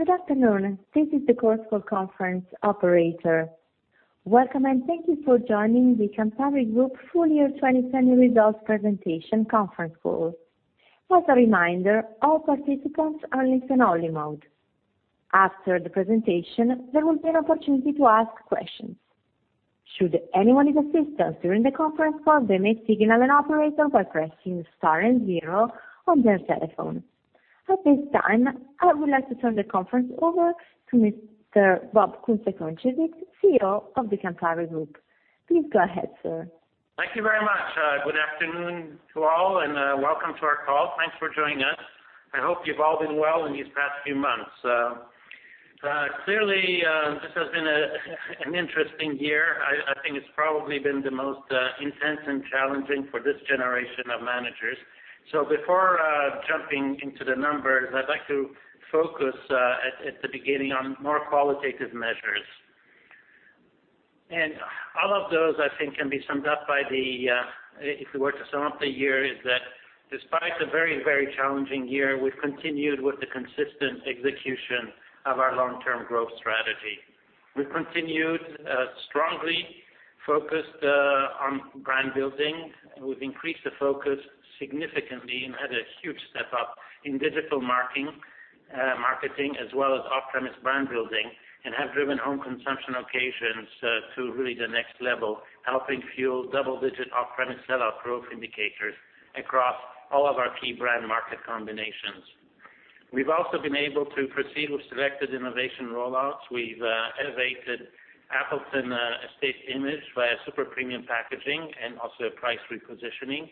Good afternoon. This is the Chorus Call conference operator. Welcome, and thank you for joining the Campari Group Full Year 2020 Results Presentation conference call. As a reminder, all participants are in listen-only mode. After the presentation, there will be an opportunity to ask questions. Should anyone need assistance during the conference call, they may signal an operator by pressing Star and Zero on their telephone. At this time, I would like to turn the conference over to Mr. Bob Kunze-Concewitz, CEO of the Campari Group. Please go ahead, sir. Thank you very much. Good afternoon to all, and welcome to our call. Thanks for joining us. I hope you've all been well in these past few months. Clearly, this has been an interesting year. I think it's probably been the most intense and challenging for this generation of managers. Before jumping into the numbers, I'd like to focus at the beginning on more qualitative measures. All of those, I think, if we were to sum up the year, is that despite the very challenging year, we've continued with the consistent execution of our long-term growth strategy. We've continued strongly focused on brand building. We've increased the focus significantly and had a huge step up in digital marketing, as well as off-premise brand building, and have driven home consumption occasions to really the next level, helping fuel double-digit off-premise sell-out growth indicators across all of our key brand market combinations. We've also been able to proceed with selected innovation rollouts. We've elevated Appleton Estate image via super premium packaging and also a price repositioning.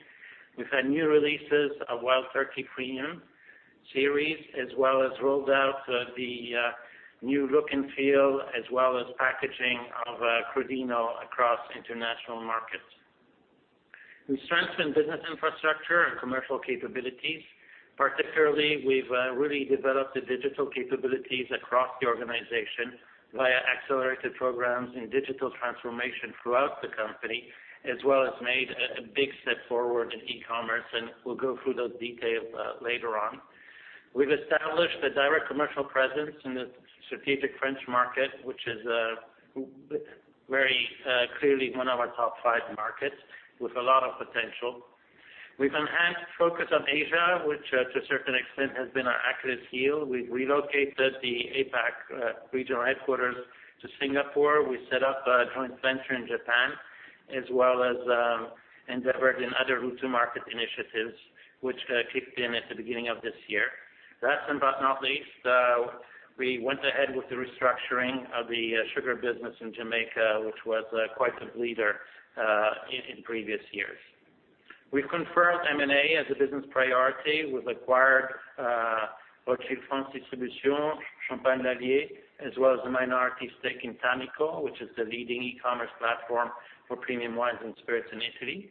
We've had new releases of Wild Turkey Premium series, as well as rolled out the new look and feel, as well as packaging of Crodino across international markets. We strengthened business infrastructure and commercial capabilities. Particularly, we've really developed the digital capabilities across the organization via accelerated programs in digital transformation throughout the company, as well as made a big step forward in e-commerce, and we'll go through those details later on. We've established a direct commercial presence in the strategic French market, which is very clearly one of our top five markets with a lot of potential. We've enhanced focus on Asia, which to a certain extent has been our Achilles' heel. We've relocated the APAC regional headquarters to Singapore. We set up a joint venture in Japan, as well as endeavored in other route-to-market initiatives, which kicked in at the beginning of this year. Last but not least, we went ahead with the restructuring of the sugar business in Jamaica, which was quite the bleeder in previous years. We've confirmed M&A as a business priority. We've acquired Rothschild France Distribution, Champagne Lallier, as well as a minority stake in Tannico, which is the leading e-commerce platform for premium wines and spirits in Italy.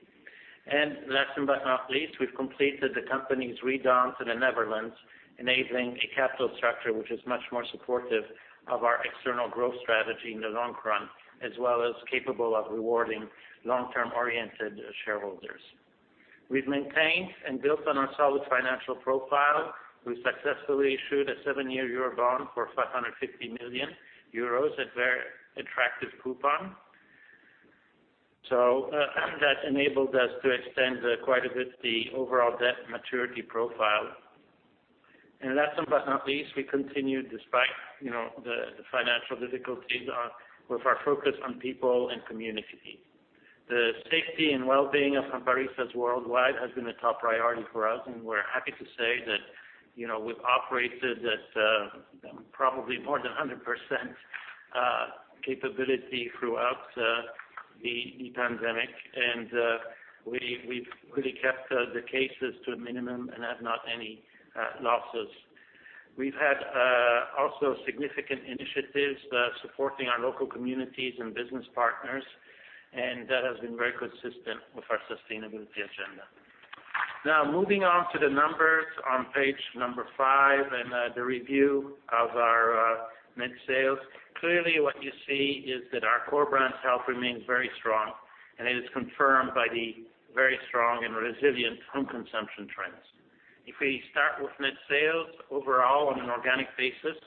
Last but not least, we've completed the company's redom to the Netherlands, enabling a capital structure which is much more supportive of our external growth strategy in the long run, as well as capable of rewarding long-term oriented shareholders. We've maintained and built on our solid financial profile. We successfully issued a seven-year EUR bond for 550 million euros at very attractive coupon. That enabled us to extend quite a bit the overall debt maturity profile. Last but not least, we continued despite the financial difficulties, with our focus on people and community. The safety and wellbeing of Campari's worldwide has been a top priority for us, and we're happy to say that we've operated at probably more than 100% capability throughout the pandemic. We've really kept the cases to a minimum and had not any losses. We've had also significant initiatives supporting our local communities and business partners, and that has been very consistent with our sustainability agenda. Now, moving on to the numbers on page number five and the review of our net sales. Clearly, what you see is that our core brand health remains very strong, and it is confirmed by the very strong and resilient home consumption trends. If we start with net sales, overall on an organic basis,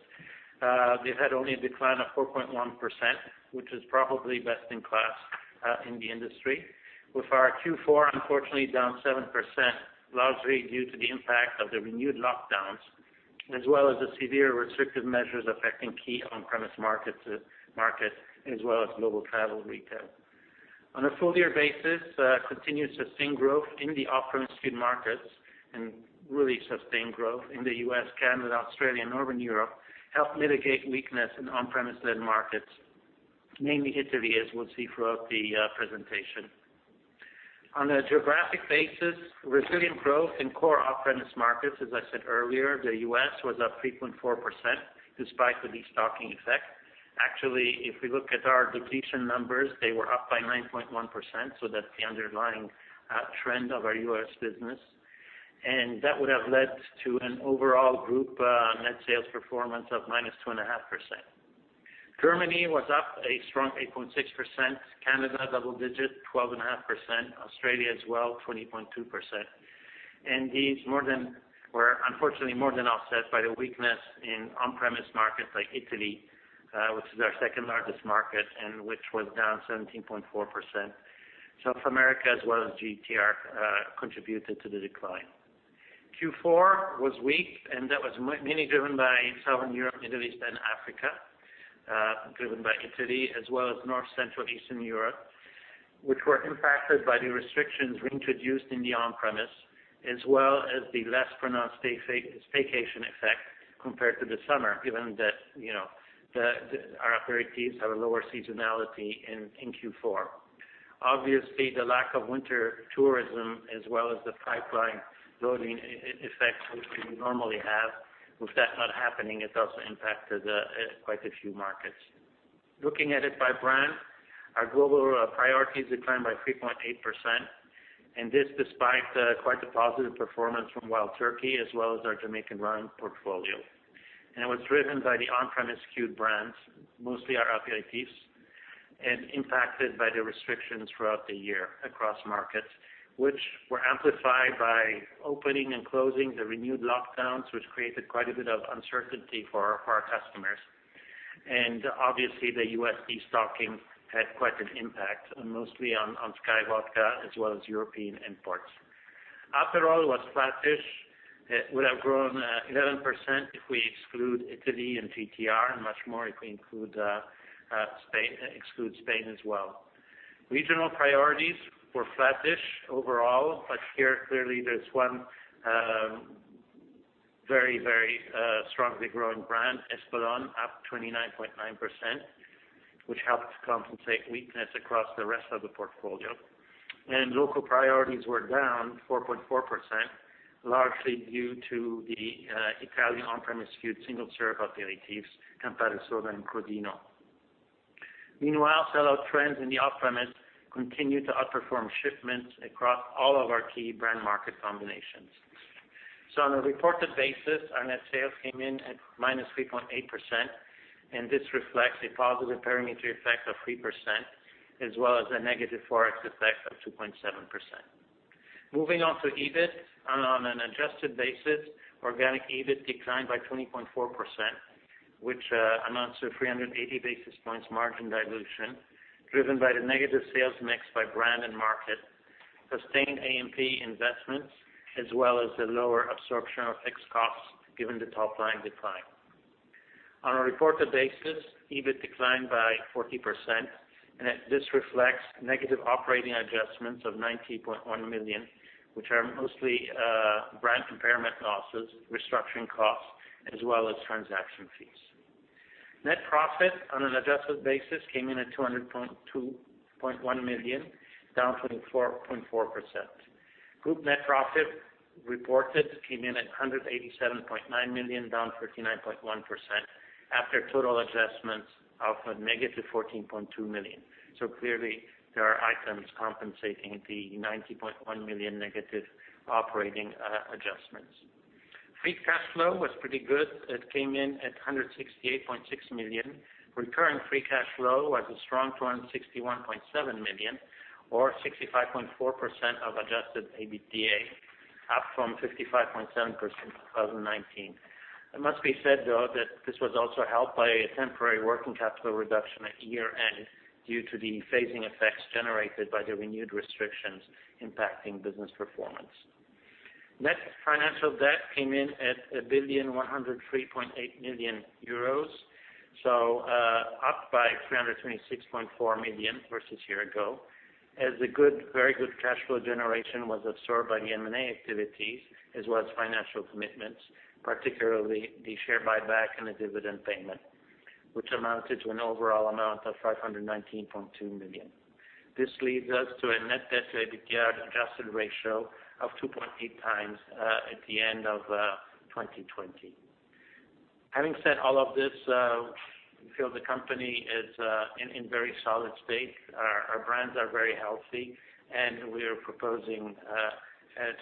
they've had only a decline of 4.1%, which is probably best in class in the industry, with our Q4 unfortunately down 7%, largely due to the impact of the renewed lockdowns, as well as the severe restrictive measures affecting key on-premise markets, as well as global travel retail. On a full year basis, continued sustained growth in the off-premise food markets, and really sustained growth in the U.S., Canada, Australia, and Northern Europe helped mitigate weakness in on-premise led markets, mainly Italy, as we'll see throughout the presentation. On a geographic basis, resilient growth in core off-premise markets. As I said earlier, the U.S. was up 3.4% despite the destocking effect. Actually, if we look at our depletion numbers, they were up by 9.1%, so that's the underlying trend of our U.S. business. That would have led to an overall group net sales performance of -2.5%. Germany was up a strong 8.6%. Canada, double digit, 12.5%. Australia as well, 20.2%. These were unfortunately more than offset by the weakness in on-premise markets like Italy, which is our second largest market, and which was down 17.4%. South America as well as GTR contributed to the decline. Q4 was weak. That was mainly driven by Southern Europe, Middle East, and Africa, driven by Italy as well as North, Central, Eastern Europe, which were impacted by the restrictions reintroduced in the on-premise, as well as the less pronounced staycation effect compared to the summer, given that our aperitifs have a lower seasonality in Q4, obviously, the lack of winter tourism as well as the pipeline loading effects, which we normally have. With that not happening, it's also impacted quite a few markets. Looking at it by brand, our global priorities declined by 3.8%. This despite quite the positive performance from Wild Turkey as well as our Jamaican rum portfolio. It was driven by the on-premise skewed brands, mostly our aperitifs, and impacted by the restrictions throughout the year across markets, which were amplified by opening and closing the renewed lockdowns, which created quite a bit of uncertainty for our customers. Obviously, the USD stocking had quite an impact, mostly on SKYY Vodka as well as European imports. Aperol was flattish. It would have grown 11% if we exclude Italy and GTR, and much more if we exclude Spain as well. Regional priorities were flattish overall, but here clearly there's one very strongly growing brand, Espolòn, up 29.9%, which helped to compensate weakness across the rest of the portfolio. Local priorities were down 4.4%, largely due to the Italian on-premise skewed single serve aperitifs, Campari Soda, and Crodino. Meanwhile, sellout trends in the off-premise continued to outperform shipments across all of our key brand market combinations. On a reported basis, our net sales came in at -3.8%. This reflects a positive perimeter effect of 3%, as well as a negative ForEx effect of 2.7%. Moving on to EBIT. On an adjusted basis, organic EBIT declined by 20.4%, which amounts to 380 basis points margin dilution, driven by the negative sales mix by brand and market, sustained A&P investments, as well as the lower absorption of fixed costs given the top line decline. On a reported basis, EBIT declined by 40%. This reflects negative operating adjustments of 90.1 million, which are mostly brand impairment losses, restructuring costs, as well as transaction fees. Net profit on an adjusted basis came in at 200.2 million, down 24.4%. Group net profit reported came in at 187.9 million, down 39.1%, after total adjustments of -14.2 million. Clearly, there are items compensating the 90.1 million negative operating adjustments. Free cash flow was pretty good. It came in at 168.6 million. Recurrent free cash flow was a strong 261.7 million or 65.4% of adjusted EBITDA, up from 55.7% in 2019. It must be said, though, that this was also helped by a temporary working capital reduction at year-end due to the phasing effects generated by the renewed restrictions impacting business performance. Net financial debt came in at 1,103.8 million euros, so up by 326.4 million versus year ago, as the very good cash flow generation was absorbed by the M&A activities as well as financial commitments, particularly the share buyback and the dividend payment, which amounted to an overall amount of 519.2 million. This leads us to a net debt to EBITDA adjusted ratio of 2.8x at the end of 2020. Having said all of this, we feel the company is in very solid state. Our brands are very healthy, and we are proposing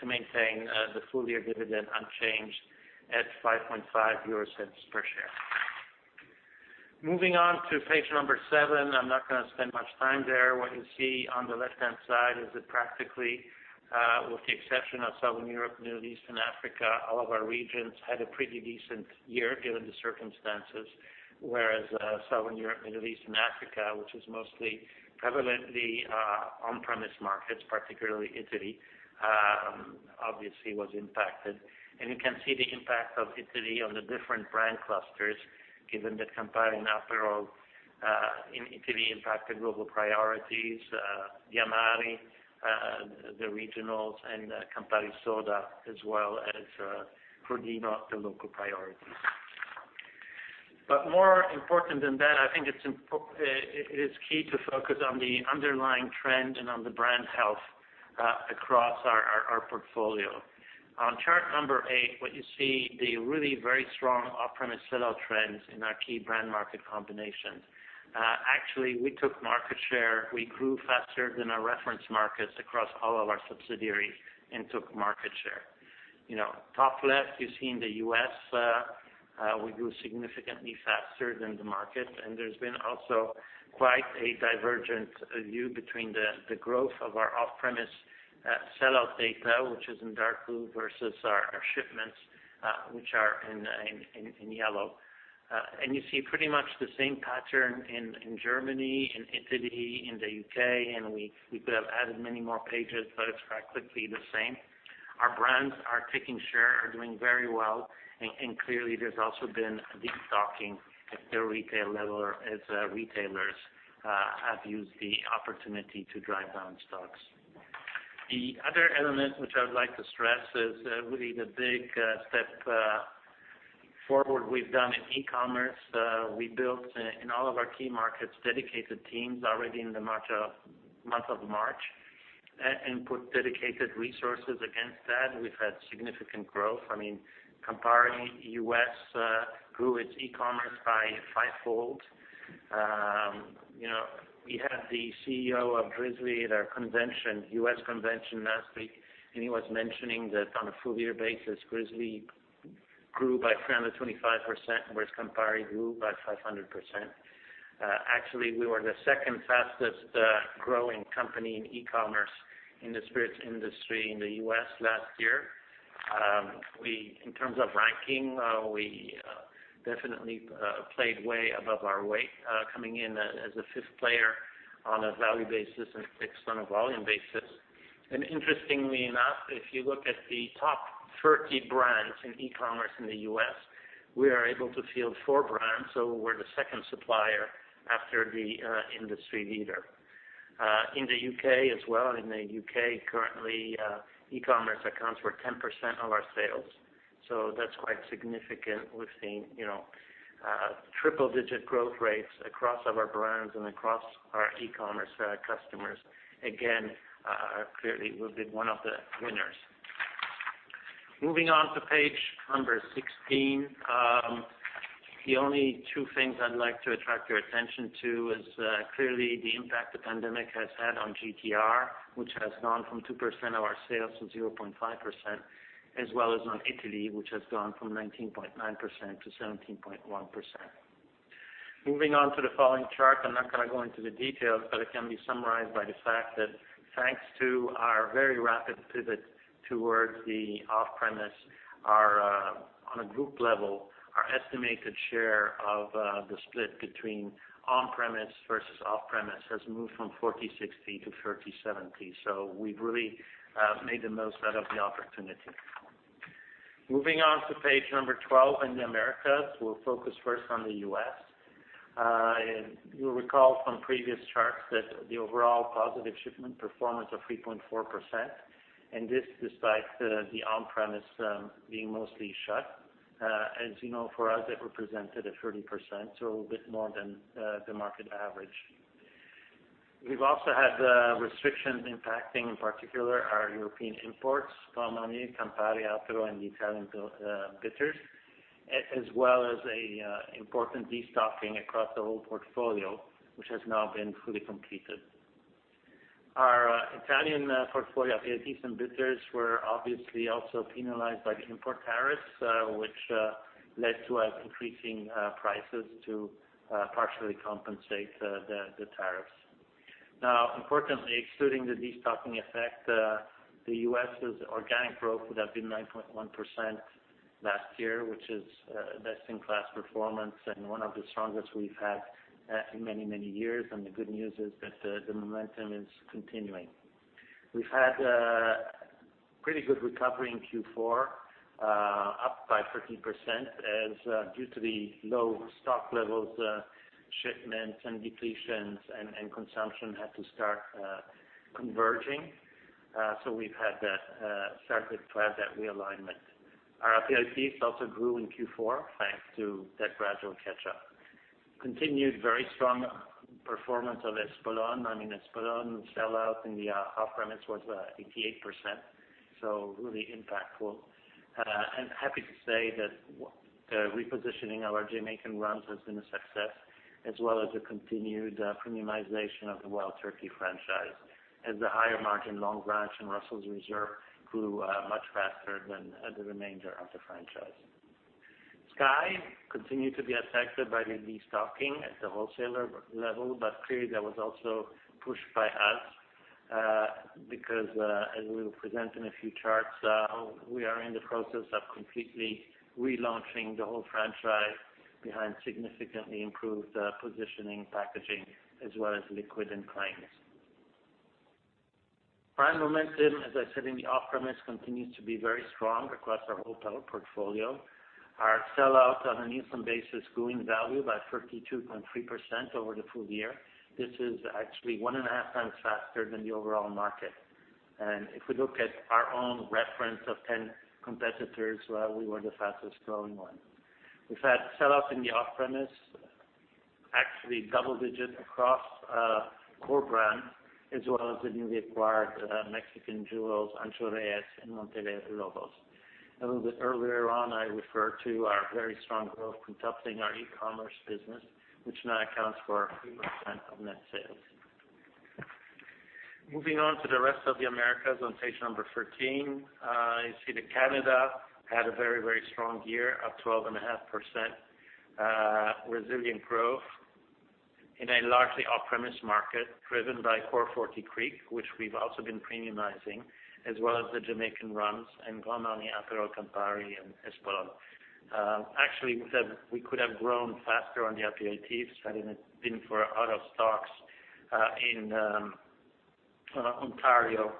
to maintain the full year dividend unchanged at 0.055 per share. Moving on to page number seven. I am not going to spend much time there. What you see on the left-hand side is that practically, with the exception of Southern Europe, Middle East, and Africa, all of our regions had a pretty decent year given the circumstances. Whereas Southern Europe, Middle East, and Africa, which was mostly prevalently on-premise markets, particularly Italy, obviously was impacted. You can see the impact of Italy on the different brand clusters given that Campari and Aperol in Italy impacted global priorities, Averna, the regionals, and Campari Soda, as well as Crodino, the local priorities. More important than that, I think it is key to focus on the underlying trend and on the brand health across our portfolio. On chart number eight, what you see, the really very strong off-premise sellout trends in our key brand market combinations. Actually, we took market share. We grew faster than our reference markets across all of our subsidiaries and took market share. Top left, you see in the U.S., we grew significantly faster than the market, and there's been also quite a divergent view between the growth of our off-premise sellout data, which is in dark blue versus our shipments, which are in yellow. You see pretty much the same pattern in Germany, in Italy, in the U.K., and we could have added many more pages, but it's quite quickly the same. Our brands are taking share, are doing very well, and clearly there's also been de-stocking at the retail level as retailers have used the opportunity to drive down stocks. The other element which I would like to stress is really the big step forward we've done in e-commerce. We built in all of our key markets, dedicated teams already in the month of March, and put dedicated resources against that. We've had significant growth. Campari U.S. grew its e-commerce by fivefold. We had the CEO of Drizly at our convention, U.S. convention last week, and he was mentioning that on a full year basis, Drizly grew by 325%, whereas Campari grew by 500%. Actually, we were the second fastest growing company in e-commerce in the spirits industry in the U.S. last year. In terms of ranking, we definitely played way above our weight, coming in as a fifth player on a value basis and sixth on a volume basis. Interestingly enough, if you look at the top 30 brands in e-commerce in the U.S., we are able to field four brands. We're the second supplier after the industry leader. In the U.K. as well, in the U.K. currently, e-commerce accounts for 10% of our sales, so that's quite significant. We've seen triple digit growth rates across our brands and across our e-commerce customers. Again, clearly we've been one of the winners. Moving on to page number 16. The only two things I'd like to attract your attention to is clearly the impact the pandemic has had on GTR, which has gone from 2% of our sales to 0.5%, as well as on Italy, which has gone from 19.9% to 17.1%. Moving on to the following chart. I'm not going to go into the details, but it can be summarized by the fact that thanks to our very rapid pivot towards the off-premise, on a group level, our estimated share of the split between on-premise versus off-premise has moved from 40/60 to 30/70. We've really made the most out of the opportunity. Moving on to page number 12 in the Americas. We'll focus first on the U.S. You'll recall from previous charts that the overall positive shipment performance of 3.4%, and this despite the on-premise, being mostly shut. You know, for us, it represented a 30%, so a bit more than the market average. We've also had restrictions impacting, in particular, our European imports, Grand Marnier, Campari, Aperol, and the Italian Bitters, as well as an important de-stocking across the whole portfolio, which has now been fully completed. Our Italian portfolio of Aperitifs and Bitters were obviously also penalized by the import tariffs, which led to us increasing prices to partially compensate the tariffs. Importantly, excluding the de-stocking effect, the U.S.'s organic growth would have been 9.1% last year, which is best in class performance and one of the strongest we've had in many, many years. The good news is that the momentum is continuing. We've had a pretty good recovery in Q4, up by 13%, as due to the low stock levels, shipments and depletions and consumption had to start converging. We've had that circuit cloud, that realignment. Our Aperitifs also grew in Q4, thanks to that gradual catch-up. Continued very strong performance of Espolòn. Espolòn sell out in the off-premise was 88%, so really impactful. Happy to say that repositioning our Jamaican rums has been a success, as well as a continued premiumization of the Wild Turkey franchise. The higher margin Longbranch and Russell's Reserve grew much faster than the remainder of the franchise. SKYY continued to be affected by the de-stocking at the wholesaler level, but clearly that was also pushed by us, because, as we will present in a few charts, we are in the process of completely relaunching the whole franchise behind significantly improved positioning, packaging, as well as liquid and claims. Brand momentum, as I said, in the off-premise, continues to be very strong across our hotel portfolio. Our sell-out on an instant basis grew in value by 32.3% over the full year. This is actually one and a half times faster than the overall market. If we look at our own reference of 10 competitors, we were the fastest growing one. We've had sell-off in the off-premise, actually double-digit across core brands, as well as the newly acquired Mexican jewels, Ancho Reyes, and Montelobos. A little bit earlier on, I referred to our very strong growth encompassing our e-commerce business, which now accounts for 3% of net sales. Moving on to the rest of the Americas on page number 13. You see that Canada had a very strong year, up 12.5%. Resilient growth in a largely off-premise market driven by Forty Creek, which we've also been premiumizing, as well as the Jamaican rums and Grand Marnier, Aperol, Campari, and Espolòn. Actually, we could have grown faster on the aperitifs had it not been for out of stocks in Ontario,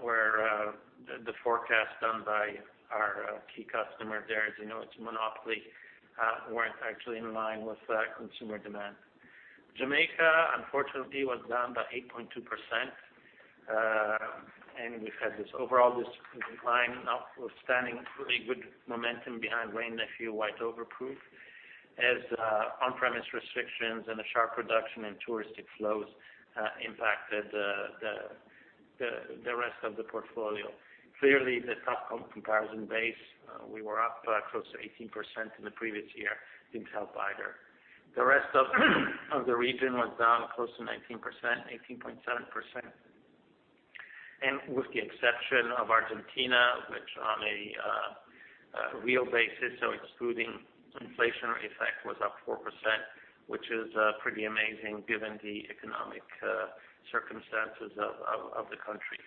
where the forecast done by our key customer there, as you know, it's a monopoly, weren't actually in line with consumer demand. Jamaica, unfortunately, was down by 8.2%. We've had this overall decline notwithstanding really good momentum behind Wray & Nephew White Overproof, as on-premise restrictions and a sharp reduction in touristic flows impacted the rest of the portfolio. Clearly, the tough comparison base, we were up close to 18% in the previous year, didn't help either. The rest of the region was down close to 19%, 18.7%. With the exception of Argentina, which on a real basis, so excluding inflationary effect, was up 4%, which is pretty amazing given the economic circumstances of the country.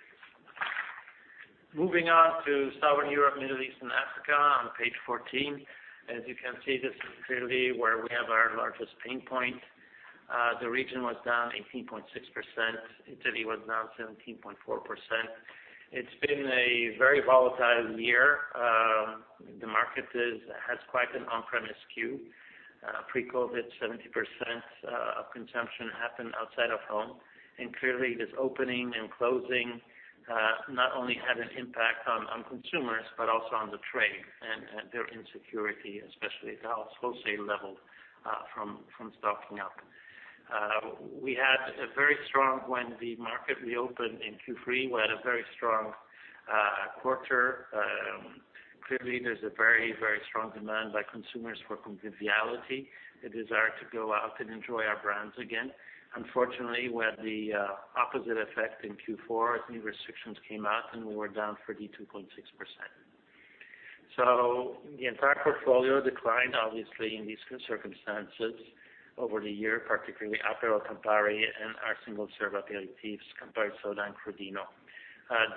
Moving on to Southern Europe, Middle East and Africa on page 14. As you can see, this is clearly where we have our largest pain point. The region was down 18.6%. Italy was down 17.4%. It has been a very volatile year. The market has quite an on-premise skew. Pre-COVID, 70% of consumption happened outside of home. Clearly, this opening and closing, not only had an impact on consumers, but also on the trade and their insecurity, especially at the wholesale level, from stocking up. When the market reopened in Q3, we had a very strong quarter. Clearly, there is a very strong demand by consumers for conviviality, a desire to go out and enjoy our brands again. Unfortunately, we had the opposite effect in Q4 as new restrictions came out, and we were down 32.6%. The entire portfolio declined, obviously, in these circumstances over the year, particularly Aperol, Campari, and our single serve aperitifs, Campari Soda and Crodino.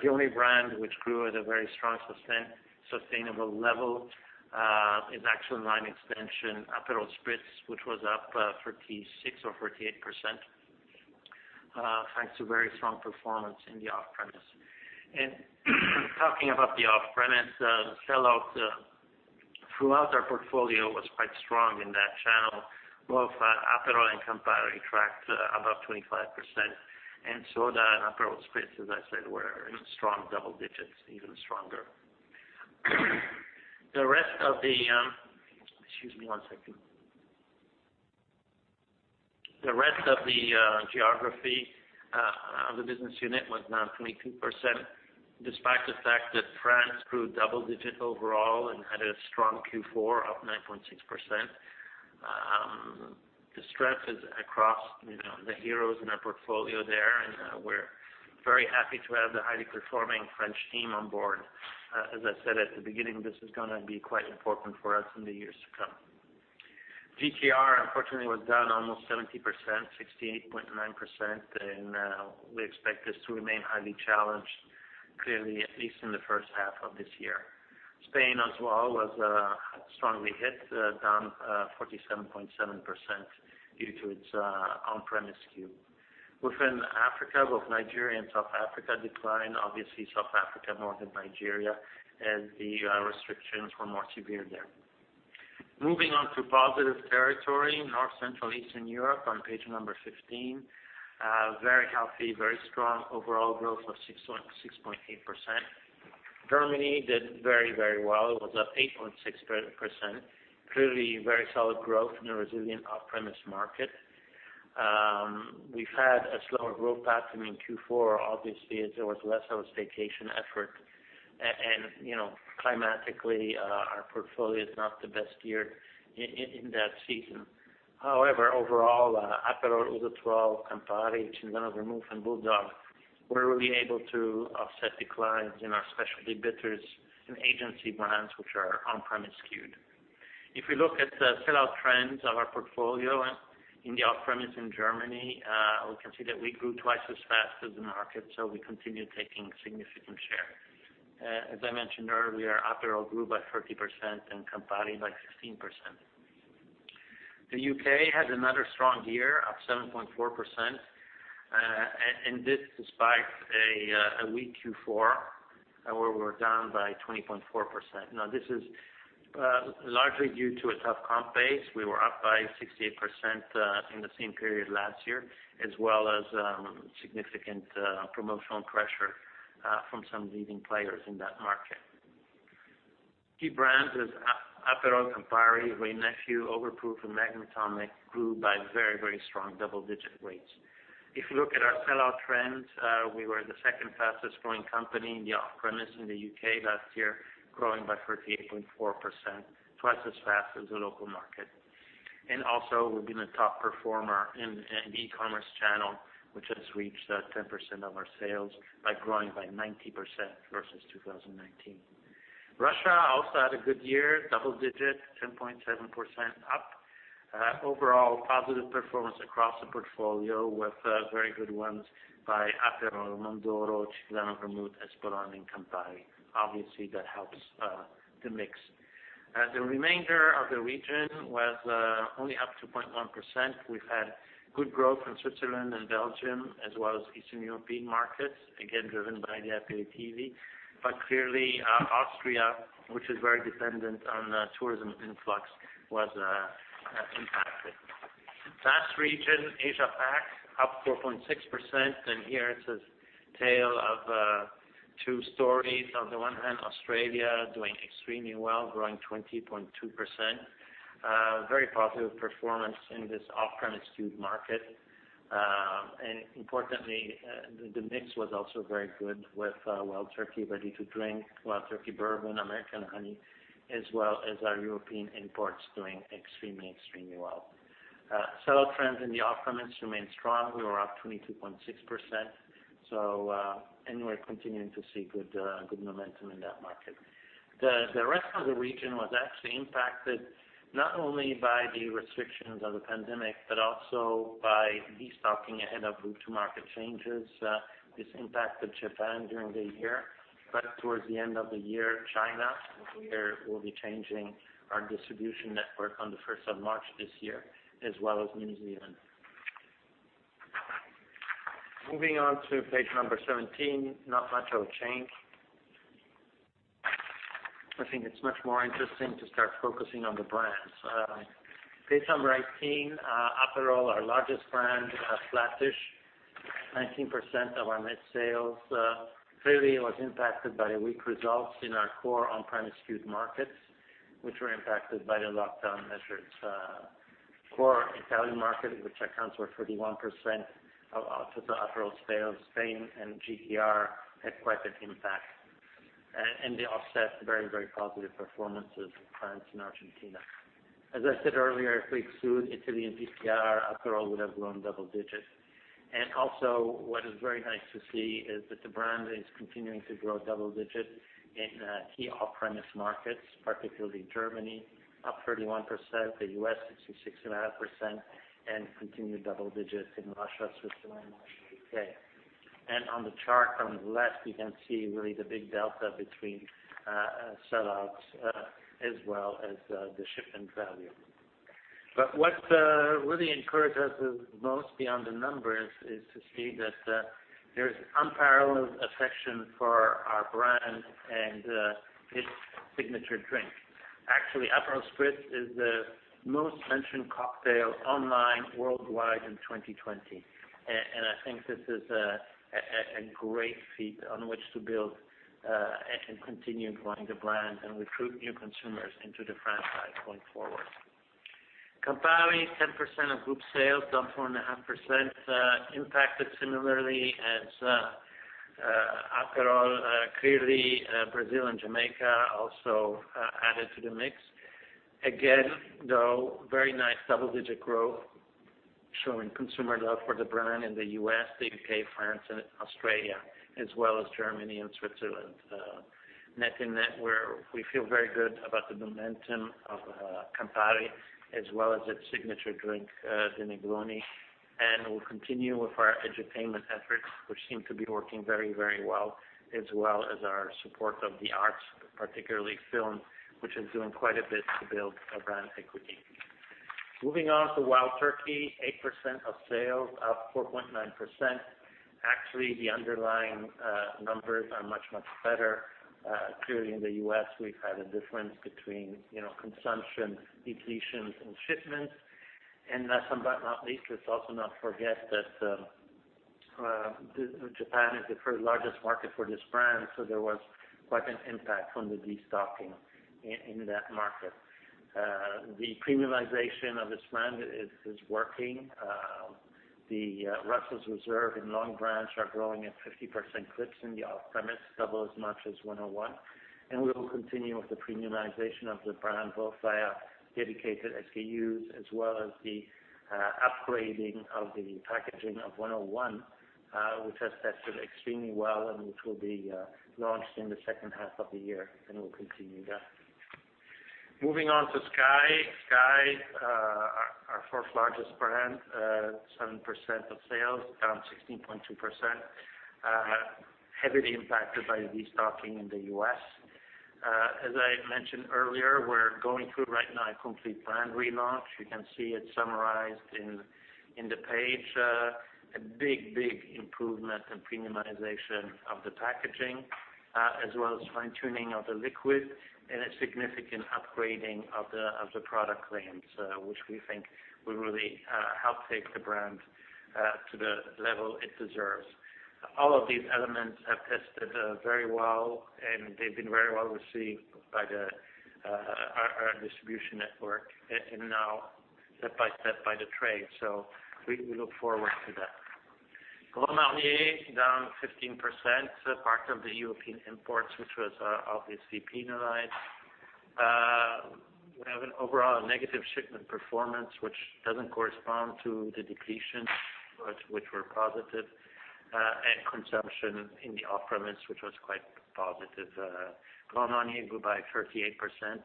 The only brand which grew at a very strong, sustainable level, is actually a line extension, Aperol Spritz, which was up 36% or 38%, thanks to very strong performance in the off-premise. Talking about the off-premise, sell-out throughout our portfolio was quite strong in that channel. Both Aperol and Campari tracked above 25%. Soda and Aperol Spritz, as I said, were in strong double digits, even stronger. Excuse me one second. The rest of the geography of the business unit was down 22%, despite the fact that France grew double digit overall and had a strong Q4, up 9.6%. The strength is across the heroes in our portfolio there. We're very happy to have the highly performing French team on board. As I said at the beginning, this is going to be quite important for us in the years to come. GTR, unfortunately, was down almost 70%, 68.9%, and we expect this to remain highly challenged, clearly at least in the first half of this year. Spain as well was strongly hit, down 47.7% due to its on-premise skew. Within Africa, both Nigeria and South Africa declined. Obviously, South Africa more than Nigeria, as the restrictions were more severe there. Moving on to positive territory, North, Central, Eastern Europe on page number 15. Very healthy, very strong overall growth of 6.8%. Germany did very well. It was up 8.6%. Clearly very solid growth in a resilient off-premise market. We've had a slower growth path in Q4, obviously, as there was less of a staycation effort. Climatically, our portfolio is not the best here in that season. However, overall, Aperol, Ouzo 12, Campari, Cinzano Vermouth, and Bulldog, were really able to offset declines in our specialty bitters and agency brands, which are on-premise skewed. If we look at the sell-out trends of our portfolio in the off-premise in Germany, we can see that we grew twice as fast as the market, so we continue taking significant share. As I mentioned earlier, Aperol grew by 30% and Campari by 15%. The U.K. had another strong year, up 7.4%, and this despite a weak Q4, where we're down by 20.4%. Now, this is largely due to a tough comp base. We were up by 68% in the same period last year, as well as significant promotional pressure from some leading players in that market. Key brands is Aperol, Campari, Wray & Nephew, Overproof, and Magnum Tonic grew by very strong double-digit rates. If you look at our sell-out trends, we were the second fastest growing company in the off-premise in the U.K. last year, growing by 38.4%, twice as fast as the local market. Also, we've been a top performer in the e-commerce channel, which has reached 10% of our sales by growing by 90% versus 2019. Russia also had a good year, double digit, 10.7% up. Overall positive performance across the portfolio with very good ones by Aperol, Mondoro, Cinzano Vermouth, Espolón, and Campari. Obviously, that helps the mix. The remainder of the region was only up 2.1%. We've had good growth in Switzerland and Belgium, as well as Eastern European markets, again, driven by the APATV. Clearly, Austria, which is very dependent on tourism influx, was impacted. Last region, Asia Pac, up 4.6%. Here it's a tale of two stories. On the one hand, Australia doing extremely well, growing 20.2%. Very positive performance in this off-premise skewed market. Importantly, the mix was also very good with Wild Turkey Ready to Drink, Wild Turkey Bourbon, American Honey, as well as our European imports doing extremely well. Sell-out trends in the off-premise remain strong. We were up 22.6%. We're continuing to see good momentum in that market. The rest of the region was actually impacted not only by the restrictions of the pandemic, but also by de-stocking ahead of route-to-market changes. This impacted Japan during the year, but towards the end of the year, China, where we'll be changing our distribution network on the 1st of March this year, as well as New Zealand. Moving on to page number 17, not much of a change. I think it's much more interesting to start focusing on the brands. Page 18, Aperol, our largest brand, flattish, 19% of our net sales. It was impacted by the weak results in our core on-premise skewed markets, which were impacted by the lockdown measures. Core Italian market, which accounts for 31% of the Aperol sales, Spain and GTR, had quite an impact. They offset very positive performances of France and Argentina. As I said earlier, if we exclude Italy and GTR, Aperol would have grown double digit. Also, what is very nice to see is that the brand is continuing to grow double digit in key off-premise markets, particularly Germany, up 31%, the U.S., 66.5%, and continued double digits in Russia, Switzerland, Russia, U.K. On the chart on the left, you can see really the big delta between sell-outs as well as the shipment value. What really encouraged us the most beyond the numbers is to see that there is unparalleled affection for our brand and its signature drink. Actually, Aperol Spritz is the most mentioned cocktail online worldwide in 2020. I think this is a great feat on which to build and continue growing the brand and recruit new consumers into the franchise going forward. Campari, 10% of group sales, down 4.5%, impacted similarly as Aperol. Clearly, Brazil and Jamaica also added to the mix. Again, though, very nice double-digit growth showing consumer love for the brand in the U.S., the U.K., France, and Australia, as well as Germany and Switzerland. Net in net, we feel very good about the momentum of Campari, as well as its signature drink, the Negroni. We'll continue with our edutainment efforts, which seem to be working very well, as well as our support of the arts, particularly film, which is doing quite a bit to build brand equity. Moving on to Wild Turkey, 8% of sales, up 4.9%. Actually, the underlying numbers are much better. Clearly, in the U.S., we've had a difference between consumption, depletions, and shipments. Last but not least, let's also not forget that Japan is the third largest market for this brand, so there was quite an impact from the de-stocking in that market. The premiumization of this brand is working. The Russell's Reserve and Longbranch are growing at 50% clips in the off-premise, double as much as 101. We will continue with the premiumization of the brand, both via dedicated SKUs as well as the upgrading of the packaging of 101, which has tested extremely well and which will be launched in the second half of the year, and we will continue that. Moving on to SKYY. SKYY, our fourth largest brand, 7% of sales, down 16.2%. Heavily impacted by de-stocking in the U.S. As I mentioned earlier, we're going through right now a complete brand relaunch. You can see it summarized in the page. A big improvement and premiumization of the packaging, as well as fine-tuning of the liquid and a significant upgrading of the product claims, which we think will really help take the brand to the level it deserves. All of these elements have tested very well, and they've been very well received by our distribution network, and now step by step by the trade. We look forward to that. Grand Marnier down 15%, part of the European imports, which was obviously penalized. We have an overall negative shipment performance, which doesn't correspond to the depletions, which were positive, and consumption in the off-premise, which was quite positive. Grand Marnier grew by 38%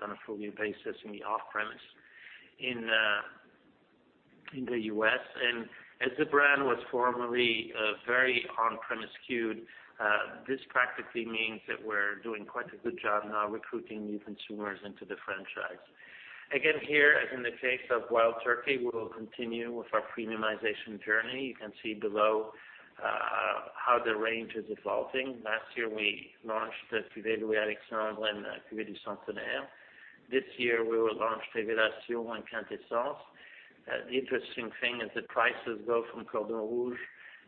on a full year basis in the off-premise in the U.S. As the brand was formerly very on-premise skewed, this practically means that we're doing quite a good job now recruiting new consumers into the franchise. Again, here, as in the case of Wild Turkey, we will continue with our premiumization journey. You can see below how the range is evolving. Last year, we launched the Cuvée Louis-Alexandre and Cuvée du Centenaire. This year, we will launch Grande Cuvée Révélation and Quintessence. The interesting thing is that prices go from Cordon Rouge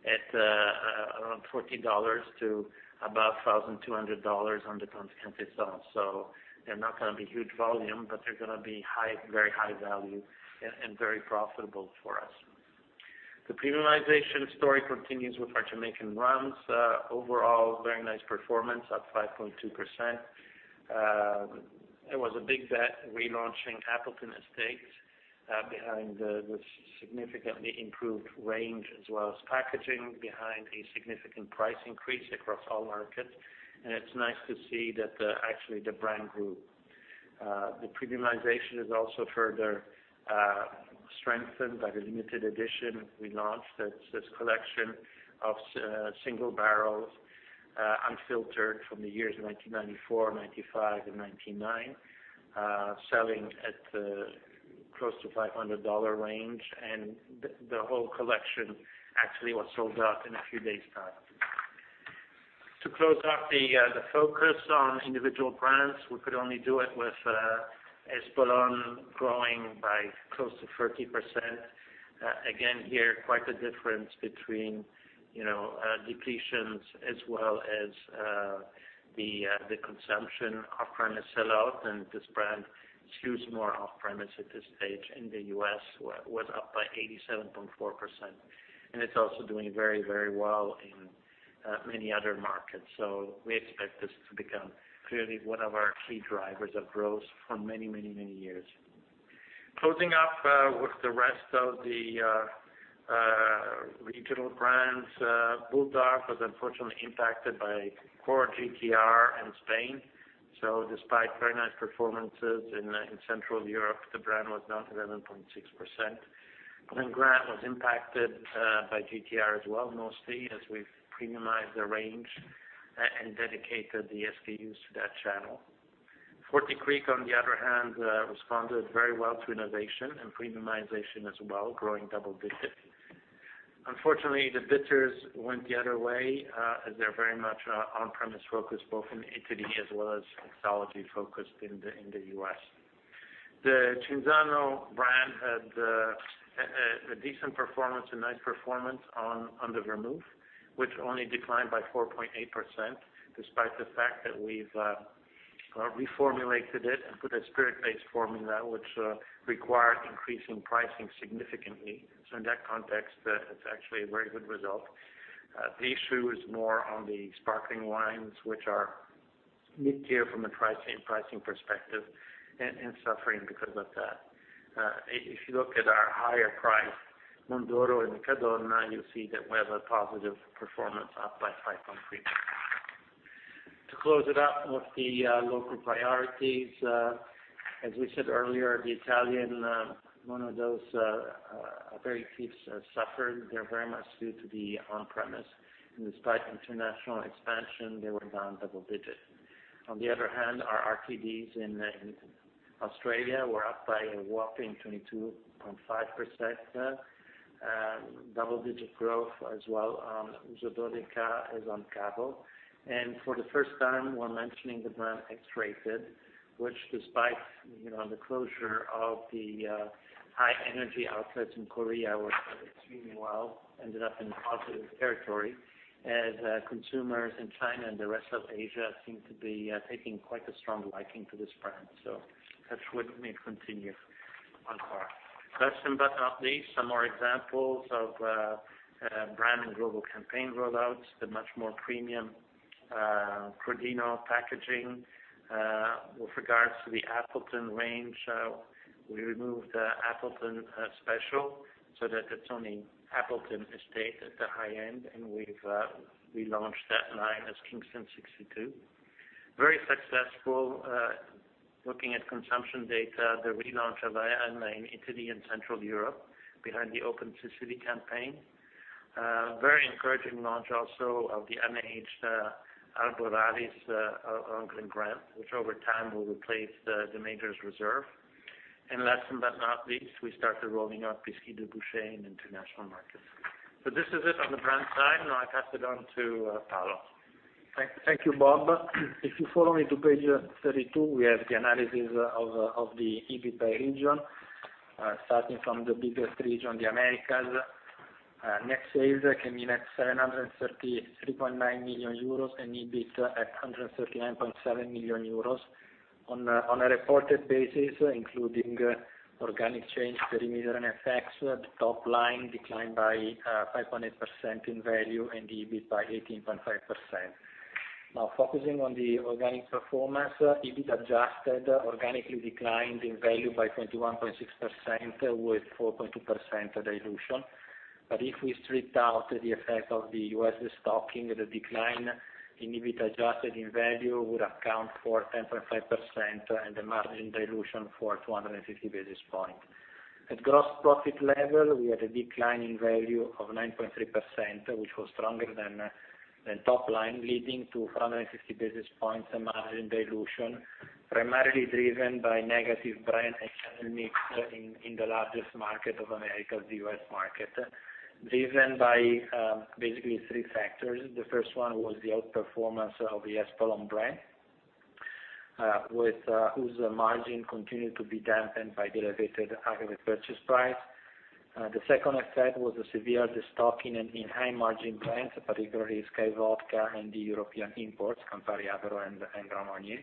at around EUR 40 to about EUR 1,200 on the Quintessence. They're not going to be huge volume, but they're going to be very high value and very profitable for us. The premiumization story continues with our Jamaican rums. Overall, very nice performance, up 5.2%. It was a big bet relaunching Appleton Estate behind the significantly improved range, as well as packaging behind a significant price increase across all markets. It's nice to see that actually the brand grew. The premiumization is also further strengthened by the limited edition we launched, that's this collection of single barrels, unfiltered from the years 1994, 1995, and 1999, selling at close to $500 range, and the whole collection actually was sold out in a few days' time. To close off the focus on individual brands, we could only do it with Espolòn growing by close to 30%. Again, here, quite a difference between depletions as well as the consumption off-premise sell-out, and this brand skews more off-premise at this stage in the U.S., was up by 87.4%. It's also doing very well in many other markets. We expect this to become clearly one of our key drivers of growth for many years. Closing up with the rest of the regional brands, Bulldog was unfortunately impacted by core GTR in Spain. Despite very nice performances in Central Europe, the brand was down 11.6%. Glen Grant was impacted by GTR as well, mostly as we've premiumized the range and dedicated the SKUs to that channel. Forty Creek, on the other hand, responded very well to innovation and premiumization as well, growing double digits. Unfortunately, the bitters went the other way, as they're very much on-premise focused, both in Italy as well as mixology focused in the U.S. The Cinzano brand had a decent performance, a nice performance on the vermouth, which only declined by 4.8%, despite the fact that we've reformulated it and put a spirit-based formula, which required increasing pricing significantly. In that context, it's actually a very good result. The issue is more on the sparkling wines, which are mid-tier from a pricing perspective and suffering because of that. If you look at our higher price, Mondoro and Riccadonna, you'll see that we have a positive performance up by 5.3%. To close it up with the local priorities, as we said earlier, the Italian monodose aperitifs suffered. They're very much skewed to the on-premise. Despite international expansion, they were down double digits. On the other hand, our RTDs in Australia were up by a whopping 22.5%, double-digit growth as well on Żubrówka as on Cabo. For the first time, we're mentioning the brand X-Rated, which despite the closure of the high-energy outlets in Korea, worked extremely well, ended up in positive territory as consumers in China and the rest of Asia seem to be taking quite a strong liking to this brand. Let me continue on. Last but not least, some more examples of brand and global campaign rollouts, the much more premium Crodino packaging. With regards to the Appleton range, we removed the Appleton Special so that it's only Appleton Estate at the high end, and we've relaunched that line as Kingston 62. Very successful, looking at consumption data, the relaunch of Ayane in Italy and Central Europe behind the Open to City campaign. Very encouraging launch also of The Glen Grant Arboralis of Glen Grant, which over time will replace The Major's Reserve. Last but not least, we started rolling out Bisquit & Dubouché in international markets. This is it on the brand side. I pass it on to Paolo. Thank you, Bob. If you follow me to page 32, we have the analysis of the EBIT by region. Starting from the biggest region, the Americas. Net sales came in at 733.9 million euros and EBIT at 139.7 million euros. On a reported basis, including organic change, perimeter, and effects, the top line declined by 500% in value and the EBIT by 18.5%. Focusing on the organic performance, EBIT adjusted organically declined in value by 21.6% with 4.2% dilution. If we stripped out the effect of the U.S. stocking, the decline in EBIT adjusted in value would account for 10.5% and the margin dilution for 250 basis points. At gross profit level, we had a decline in value of 9.3%, which was stronger than top line, leading to 450 basis points margin dilution, primarily driven by negative brand and channel mix in the largest market of Americas, the U.S. market, driven by basically three factors. The first one was the outperformance of the Espolón brand, whose margin continued to be dampened by dilated average purchase price. The second effect was the severe destocking in high margin brands, particularly SKYY Vodka and the European imports, Campari, Averna, and Drambuie,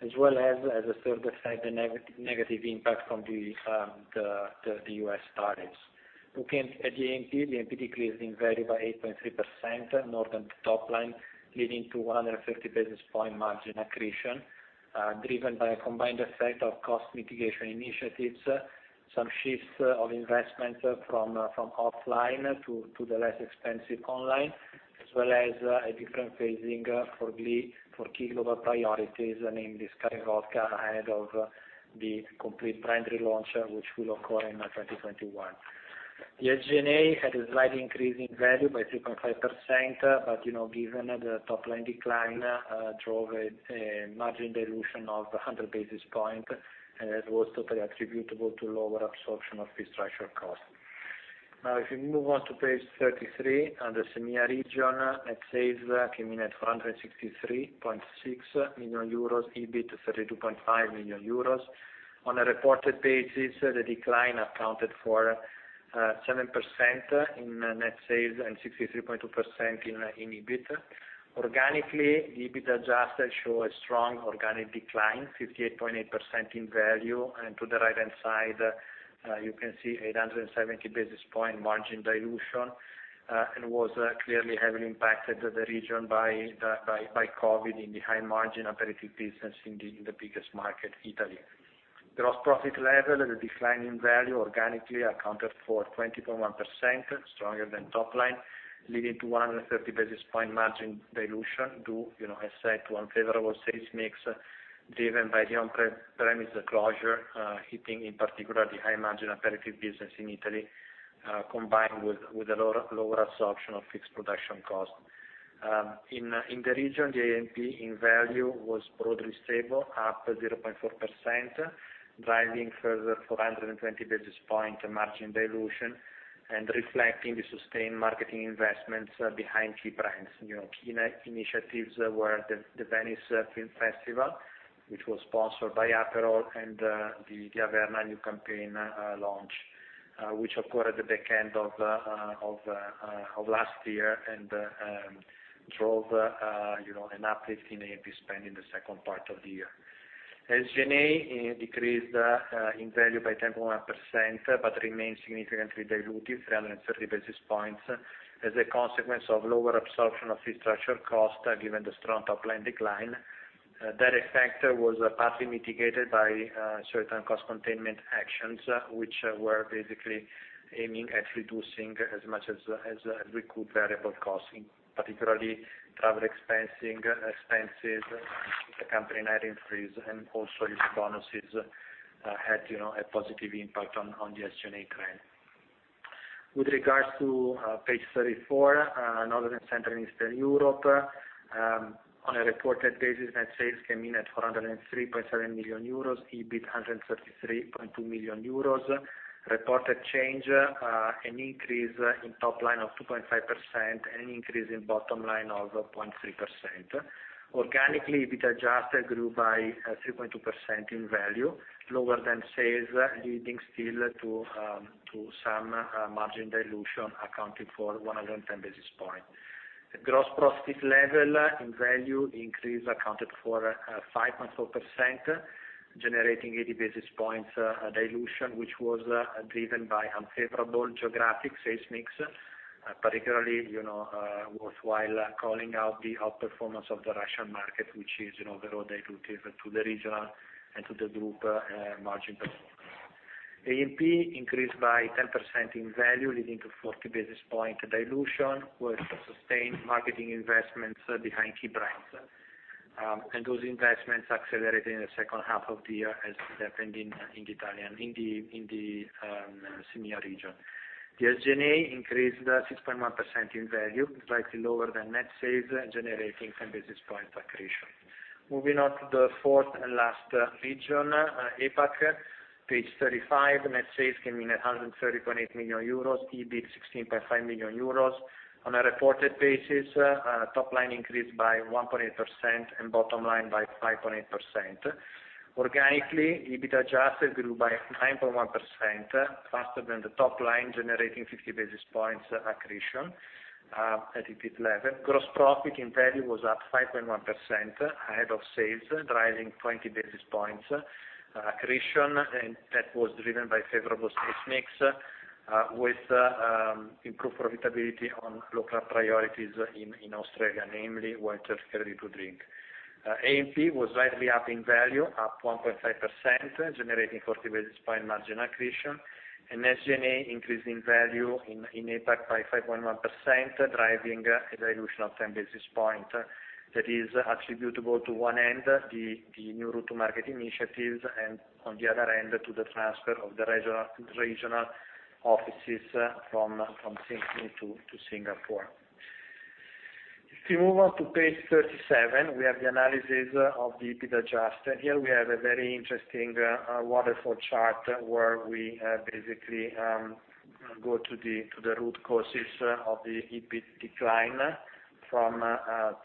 as well as a third effect, the negative impact from the U.S. tariffs. Looking at the A&P, the A&P decreased in value by 8.3%, more than the top line, leading to 150 basis points margin accretion, driven by a combined effect of cost mitigation initiatives, some shifts of investment from offline to the less expensive online, as well as a different phasing for key global priorities, namely SKYY Vodka, ahead of the complete brand relaunch, which will occur in 2021. The SG&A had a slight increase in value by 3.5%, but given the top-line decline, drove a margin dilution of 100 basis points, and that was totally attributable to lower absorption of fee structure cost. If you move on to page 33, on the EMEA region, net sales came in at 463.6 million euros, EBIT 32.5 million euros. On a reported basis, the decline accounted for 7% in net sales and 63.2% in EBIT. Organically, EBIT adjusted show a strong organic decline, 58.8% in value. To the right-hand side, you can see 870 basis point margin dilution. It was clearly heavily impacted the region by COVID in the high margin aperitif business in the biggest market, Italy. Gross profit level, the decline in value organically accounted for 20.1%, stronger than top line, leading to 130 basis point margin dilution due, as said, to unfavorable sales mix driven by the on-premise closure, hitting in particular the high margin aperitif business in Italy, combined with a lower absorption of fixed production cost. In the region, the A&P in value was broadly stable, up 0.4%, driving further 420 basis point margin dilution and reflecting the sustained marketing investments behind key brands. Key initiatives were the Venice International Film Festival, which was sponsored by Aperol, and the Averna new campaign launch, which occurred at the back end of last year and drove an uplift in A&P spend in the second part of the year. SG&A decreased in value by 10.1%, but remained significantly dilutive, 330 basis points, as a consequence of lower absorption of fee structure cost given the strong top-line decline. That effect was partly mitigated by certain cost containment actions, which were basically aiming at reducing as much as recoup variable costing, particularly travel expenses, the company hiring freeze, and also these bonuses had a positive impact on the SG&A trend. With regards to page 34, Northern and Central Eastern Europe, on a reported basis, net sales came in at 403.7 million euros, EBIT 133.2 million euros. Reported change, an increase in top line of 2.5% and an increase in bottom line of 0.3%. Organically, EBIT adjusted grew by 3.2% in value, lower than sales, leading still to some margin dilution accounting for 110 basis points. The gross profit level in value increase accounted for 5.4%, generating 80 basis points dilution, which was driven by unfavorable geographic sales mix, particularly worthwhile calling out the outperformance of the Russian market, which is very dilutive to the regional and to the group margin. A&P increased by 10% in value, leading to 40 basis points dilution, with sustained marketing investments behind key brands. Those investments accelerated in the second half of the year as happened in the EMEA region. The SG&A increased 6.1% in value, slightly lower than net sales, generating 10 basis points accretion. Moving on to the fourth and last region, APAC, page 35, net sales came in at 130.8 million euros, EBIT 16.5 million euros. On a reported basis, top line increased by 1.8% and bottom line by 5.8%. Organically, EBIT adjusted grew by 9.1%—faster than the top line—generating 50 basis points accretion at EBIT level. Gross profit in value was up 5.1%, ahead of sales, driving 20 basis points accretion. That was driven by favorable sales mix with improved profitability on local priorities in Australia, namely Wild Turkey Ready-to-Drink. A&P was slightly up in value, up 1.5%, generating 40 basis point margin accretion. SG&A increase in value in APAC by 5.1%, driving a dilution of 10 basis point that is attributable to one end, the new route-to-market initiatives, and on the other end, to the transfer of the regional offices from Sydney to Singapore. If you move on to page 37, we have the analysis of the EBIT adjusted. Here we have a very interesting waterfall chart where we basically go to the root causes of the EBIT decline from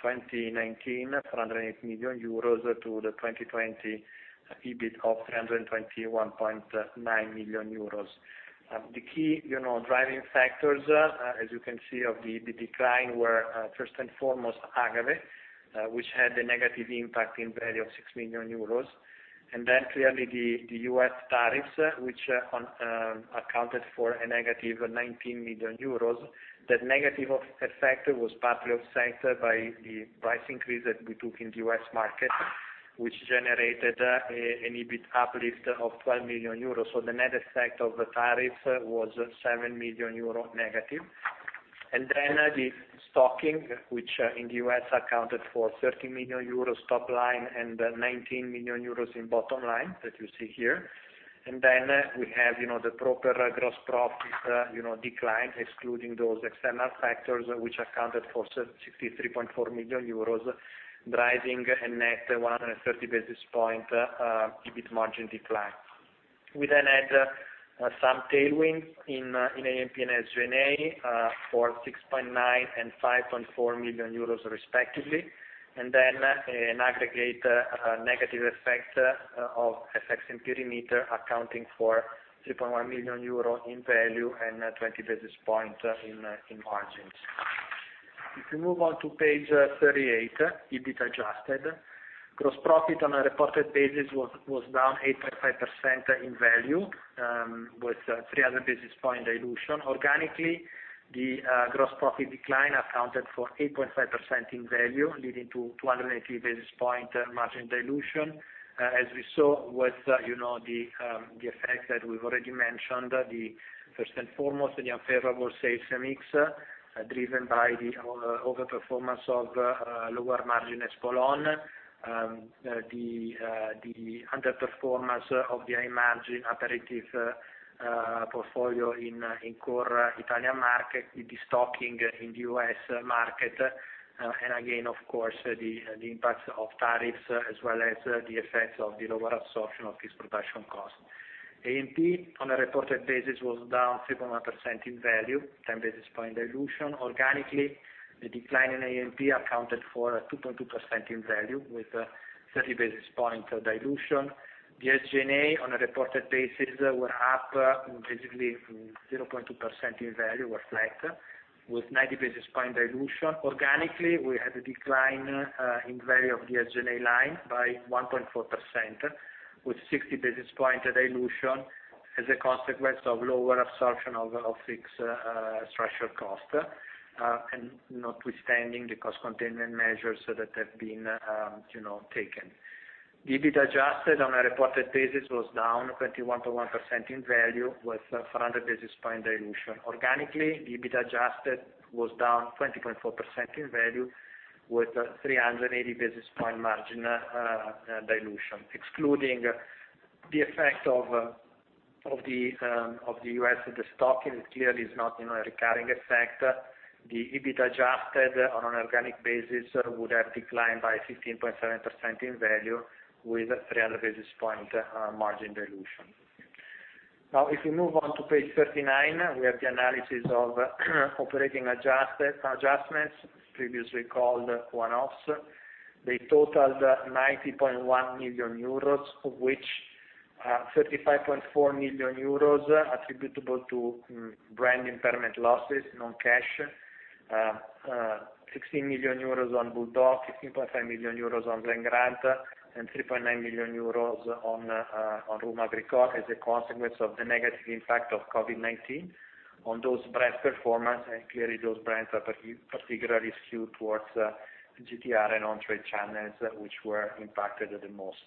2019, 408 million euros to the 2020 EBIT of 321.9 million euros. The key driving factors, as you can see, of the decline were first and foremost, agave, which had a negative impact in value of 6 million euros. Clearly the U.S. tariffs, which accounted for a negative 19 million euros. That negative effect was partly offset by the price increase that we took in the U.S. market, which generated an EBIT uplift of 12 million euros. The net effect of the tariff was 7 million euros negative. The stocking, which in the U.S. accounted for 13 million euros top line and 19 million euros in bottom line that you see here. Then we have the proper gross profit decline, excluding those external factors which accounted for 63.4 million euros, driving a net 130 basis point EBIT margin decline. We then had some tailwinds in A&P and SG&A for 6.9 and 5.4 million euros respectively, and then an aggregate negative effect of FX and perimeter accounting for 3.1 million euro in value and 20 basis point in margins. If you move on to page 38, EBIT adjusted. Gross profit on a reported basis was down 8.5% in value, with 300 basis point dilution. Organically, the gross profit decline accounted for 8.5% in value, leading to 280 basis point margin dilution. We saw with the effect that we've already mentioned, first and foremost, the unfavorable sales mix driven by the over-performance of lower margin Espolòn, the underperformance of the high margin aperitif portfolio in core Italian market, the de-stocking in the U.S. market. Again, of course, the impact of tariffs as well as the effects of the lower absorption of fixed production cost. A&P on a reported basis was down 3.1% in value, 10 basis point dilution. Organically, the decline in A&P accounted for 2.2% in value with 30 basis point dilution. The SG&A on a reported basis were up basically 0.2% in value, or flat, with 90 basis point dilution. Organically, we had a decline in value of the SG&A line by 1.4%, with 60 basis point dilution as a consequence of lower absorption of fixed structural cost, and notwithstanding the cost containment measures that have been taken. EBIT adjusted on a reported basis was down 21.1% in value with 400 basis point dilution. Organically, EBIT adjusted was down 20.4% in value with 380 basis point margin dilution. Excluding the effect of the U.S. de-stocking, it clearly is not a recurring effect. The EBIT adjusted on an organic basis would have declined by 15.7% in value with 300 basis point margin dilution. If you move on to page 39, we have the analysis of operating adjustments previously called one-offs. They totaled 90.1 million euros, of which 35.4 million euros attributable to brand impairment losses non-cash, 16 million euros on Bulldog, 15.5 million euros on Glen Grant, and 3.9 million euros on rhum agricole as a consequence of the negative impact of COVID-19 on those brands' performance. Clearly those brands are particularly skewed towards GTR and on trade channels, which were impacted the most.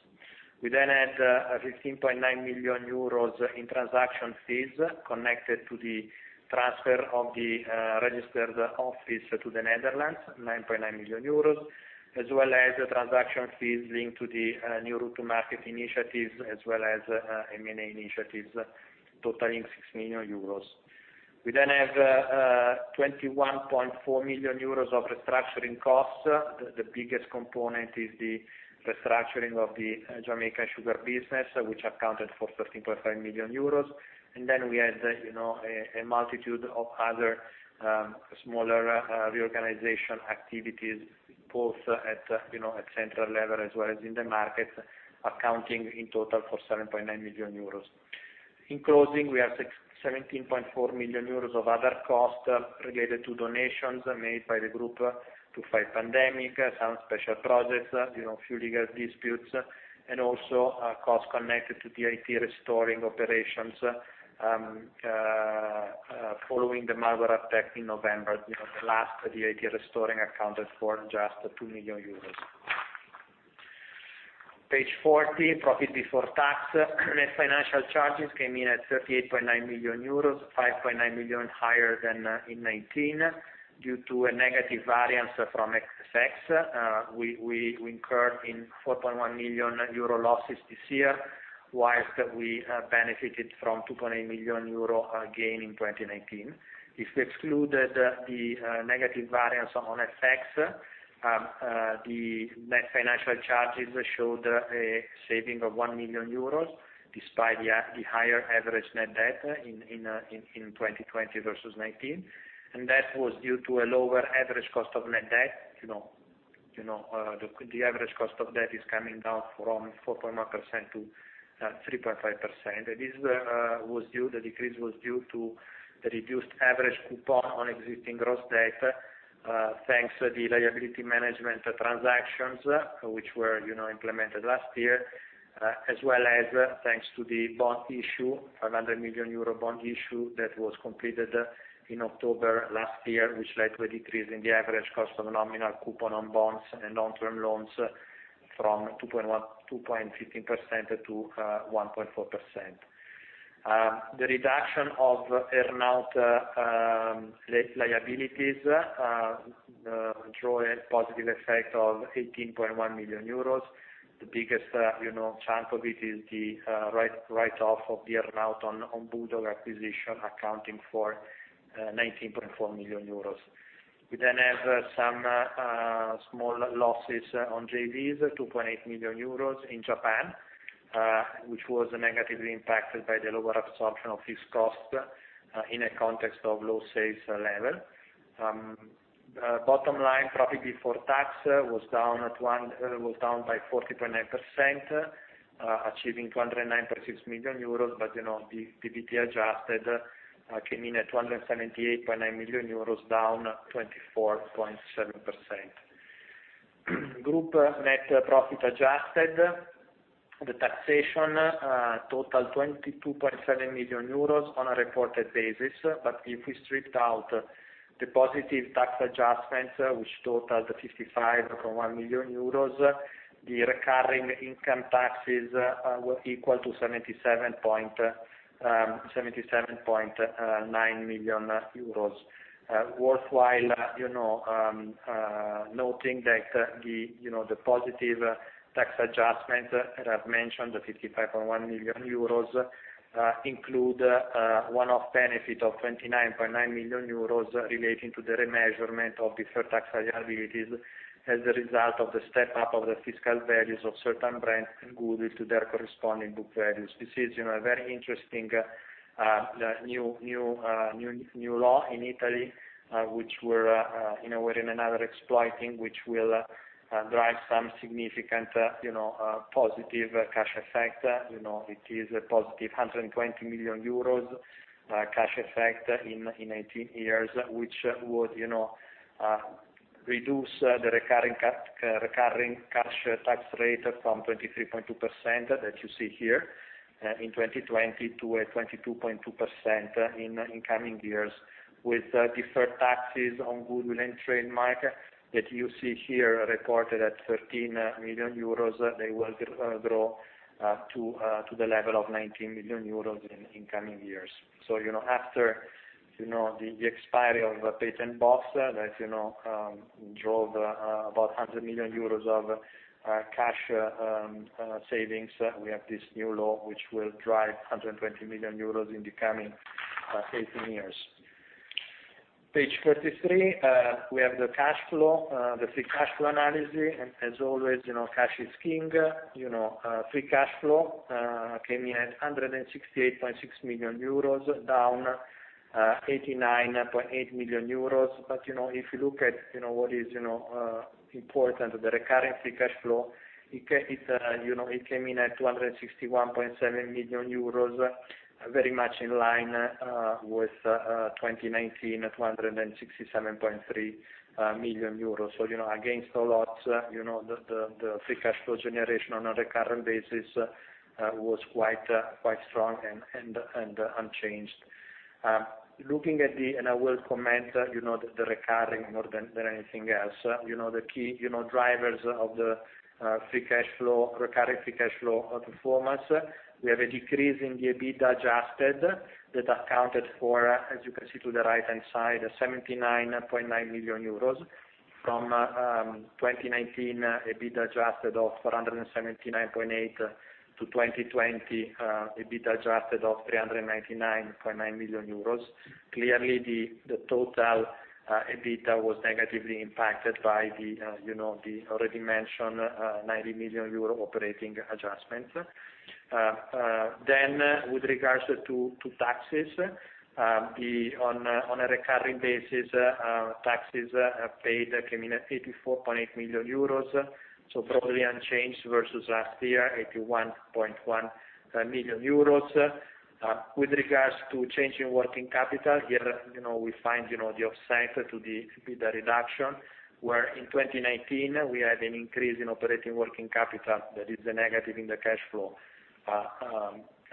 We had a 15.9 million euros in transaction fees connected to the transfer of the registered office to the Netherlands, 9.9 million euros, as well as transaction fees linked to the new route to market initiatives as well as M&A initiatives totaling 6 million euros. We have 21.4 million euros of restructuring costs. The biggest component is the restructuring of the Jamaican sugar business, which accounted for 13.5 million euros. We had a multitude of other smaller reorganization activities, both at central level as well as in the market, accounting in total for 7.9 million euros. In closing, we have 17.4 million euros of other costs related to donations made by the group to fight pandemic, some special projects, a few legal disputes, and also costs connected to the IT restoring operations following the malware attack in November. The last of the IT restoring accounted for just 2 million euros. Page 40, profit before tax. Net financial charges came in at 38.9 million euros, 5.9 million higher than in 2019 due to a negative variance from FX. We incurred in 4.1 million euro losses this year, whilst we benefited from 2.8 million euro gain in 2019. If we excluded the negative variance on FX, the net financial charges showed a saving of 1 million euros, despite the higher average net debt in 2020 versus 2019. That was due to a lower average cost of net debt. The average cost of debt is coming down from 4.1% to 3.5%. The decrease was due to the reduced average coupon on existing gross debt, thanks to the liability management transactions which were implemented last year, as well as thanks to the bond issue, 500 million euro bond issue that was completed in October last year, which led to a decrease in the average cost of nominal coupon on bonds and long-term loans from 2.15% to 1.4%. The reduction of earnout liabilities draw a positive effect of 18.1 million euros. The biggest chunk of it is the write off of the earnout on Bulldog acquisition, accounting for 19.4 million euros. We have some small losses on JVs, 2.8 million euros in Japan, which was negatively impacted by the lower absorption of fixed costs in a context of low sales level. Bottom line, profit before tax was down by 40.9%, achieving 209.6 million euros. The PBT adjusted came in at 278.9 million euros, down 24.7%. Group net profit adjusted the taxation total 22.7 million euros on a reported basis. If we stripped out the positive tax adjustments, which totaled 55.1 million euros, the recurring income taxes were equal to 77.9 million euros. Worthwhile noting that the positive tax adjustment that I've mentioned—the 55.1 million euros—include one-off benefit of 29.9 million euros relating to the remeasurement of deferred tax liabilities, as a result of the step-up of the fiscal values of certain brands and goodwill to their corresponding book values. This is a very interesting new law in Italy, which we're now exploiting, which will drive some significant positive cash effect. It is a positive 120 million euros cash effect in 18 years, which would reduce the recurring cash tax rate from 23.2% that you see here, in 2020 to a 22.2% in coming years. With deferred taxes on goodwill and trademark that you see here reported at 13 million euros, they will grow to the level of 19 million euros in coming years. After the expiry of the patent box that drove about 100 million euros of cash savings, we have this new law, which will drive 120 million euros in the coming 18 years. Page 43, we have the cash flow, the free cash flow analysis, and as always, cash is king. Free cash flow came in at 168.6 million euros, down 89.8 million euros. If you look at what is important, the recurring free cash flow, it came in at 261.7 million euros, very much in line with 2019 at 267.3 million euros. Against the odds, the free cash flow generation on a recurring basis was quite strong and unchanged. I will comment the recurring more than anything else. The key drivers of the free cash flow, recurring free cash flow performance, we have a decrease in the EBITDA adjusted that accounted for, as you can see to the right hand side, 79.9 million euros from 2019, EBITDA adjusted of 479.8 million to 2020, EBITDA adjusted of 399.9 million euros. Clearly, the total EBITDA was negatively impacted by the already mentioned 90 million euro operating adjustment. With regards to taxes, on a recurring basis, taxes paid came in at 84.8 million euros, so probably unchanged versus last year, 81.1 million euros. With regards to change in working capital, here, we find the offset to the EBITDA reduction, where in 2019, we had an increase in operating working capital that is negative in the cash flow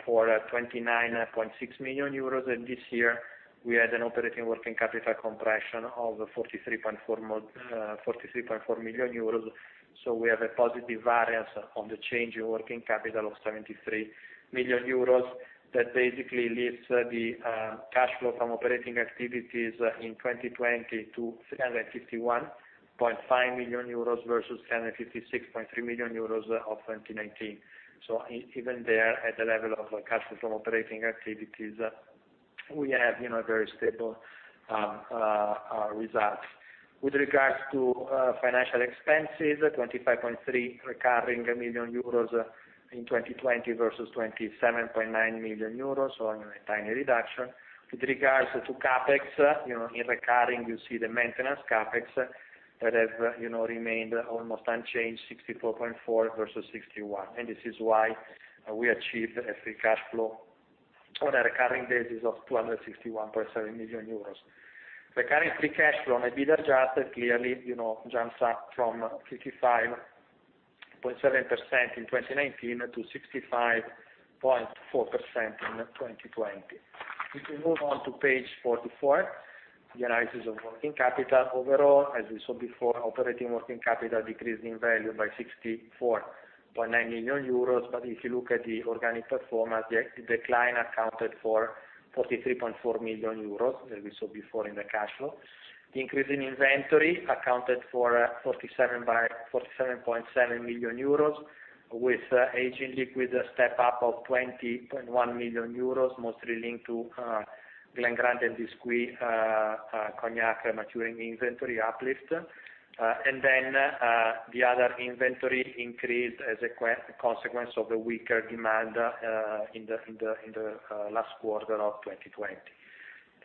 for 29.6 million euros, and this year, we had an operating working capital compression of 43.4 million euros. We have a positive variance on the change in working capital of 73 million euros. That basically leaves the cash flow from operating activities in 2020 to 351.5 million euros versus 756.3 million euros of 2019. Even there, at the level of cash flow from operating activities, we have very stable results. With regards to financial expenses, 25.3 recurring million in 2020 versus 27.9 million euros, so a tiny reduction. With regards to CapEx, in recurring, you see the maintenance CapEx that have remained almost unchanged, 64.4 versus 61. This is why we achieved a free cash flow on a recurring basis of 261.7 million euros. Recurrent free cash flow on EBITDA adjusted clearly jumps up from 55.7% in 2019 to 65.4% in 2020. If we move on to page 44, the analysis of working capital. Overall, as we saw before, operating working capital decreased in value by 64.9 million euros. If you look at the organic performance, the decline accounted for 43.4 million euros, as we saw before in the cash flow. The increase in inventory accounted for 47.7 million euros, with age in liquid step up of 20.1 million euros, mostly linked to Glen Grant and Bisquit cognac maturing inventory uplift. The other inventory increased as a consequence of the weaker demand in the last quarter of 2020.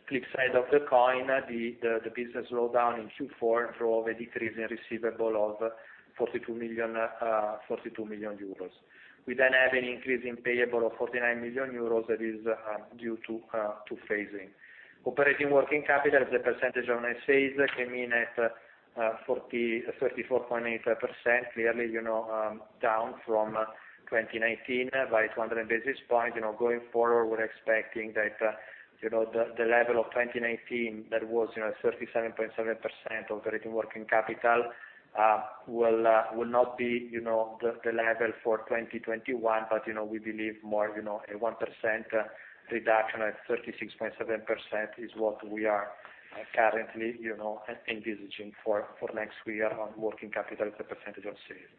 Flip side of the coin, the business slowdown in Q4 drove a decrease in receivable of 42 million. An increase in payable of 49 million euros that is due to phasing. Operating working capital as a percentage of net sales came in at 34.8%, clearly down from 2019 by 200 basis points. Going forward, we're expecting that the level of 2019 that was 37.7% operating working capital, will not be the level for 2021. We believe more a 1% reduction at 36.7% is what we are currently envisaging for next year on working capital as a percentage of sales.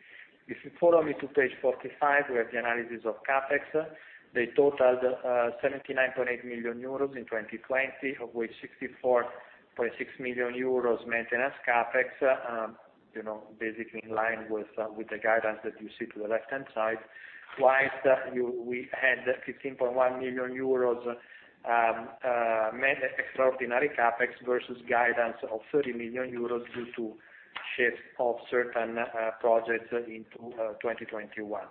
If you follow me to page 45, we have the analysis of CapEx. They totaled 79.8 million euros in 2020, of which 64.6 million euros maintenance CapEx, basically in line with the guidance that you see to the left-hand side. Twice, we had 15.1 million euros extraordinary CapEx versus guidance of 30 million euros due to shift of certain projects into 2021.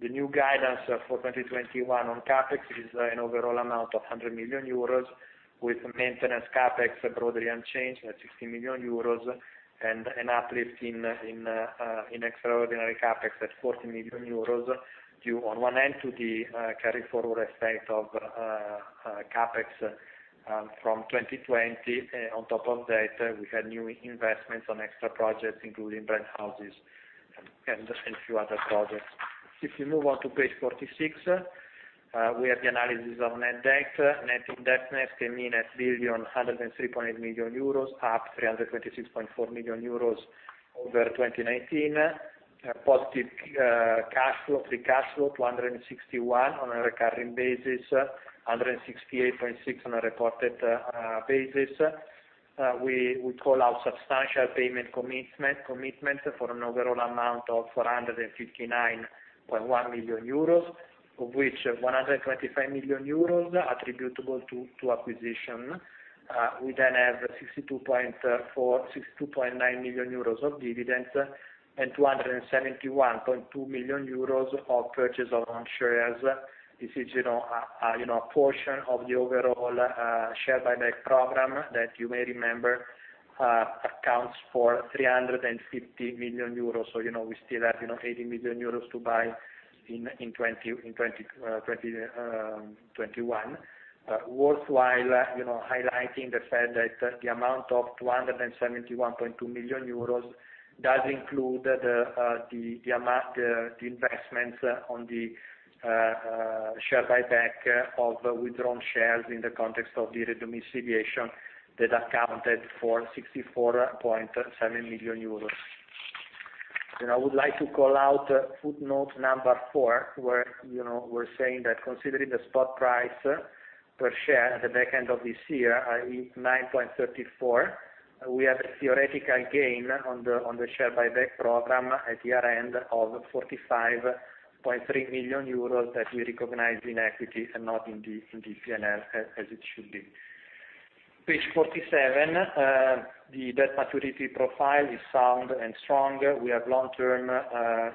The new guidance for 2021 on CapEx is an overall amount of 100 million euros, with maintenance CapEx broadly unchanged at 60 million euros and an uplift in extraordinary CapEx at 14 million euros due on one end to the carry forward effect of CapEx from 2020. On top of that, we had new investments on extra projects, including brand houses and a few other projects. If you move on to page 46, we have the analysis of net debt. Net indebtedness came in at 1,103.8 million euros, up 326.4 million euros over 2019. Positive free cash flow 261 on a recurring basis, 168.6 on a reported basis. We call out substantial payment commitment for an overall amount of 459.1 million euros, of which 125 million euros attributable to acquisition. We have 62.9 million euros of dividends and 271.2 million euros of purchase of own shares. This is a portion of the overall share buyback program that you may remember accounts for 350 million euros. We still have 80 million euros to buy in 2021. Worthwhile highlighting the fact that the amount of 271.2 million euros does include the investments on the share buyback of withdrawn shares in the context of the re-domiciliation that accounted for 64.7 million euros. I would like to call out footnote number four, where we're saying that considering the spot price per share at the back end of this year is 9.34, we have a theoretical gain on the share buyback program at year-end of 45.3 million euros that we recognize in equity and not in the P&L as it should be. Page 47, the debt maturity profile is sound and strong. We have long-term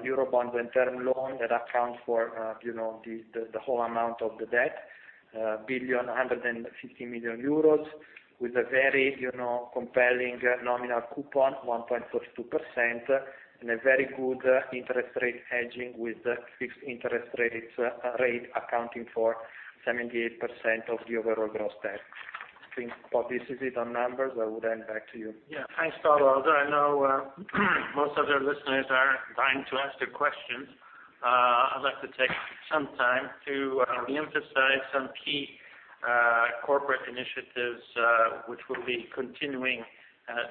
eurobond and term loan that account for the whole amount of the debt, 1,150 million euros, with a very compelling nominal coupon, 1.32%, and a very good interest rate hedging with fixed interest rates accounting for 78% of the overall gross debt. Being quite busy on numbers, I will hand back to you. Yeah. Thanks, Paolo. I know most of your listeners are dying to ask their questions, I'd like to take some time to re-emphasize some key corporate initiatives which we'll be continuing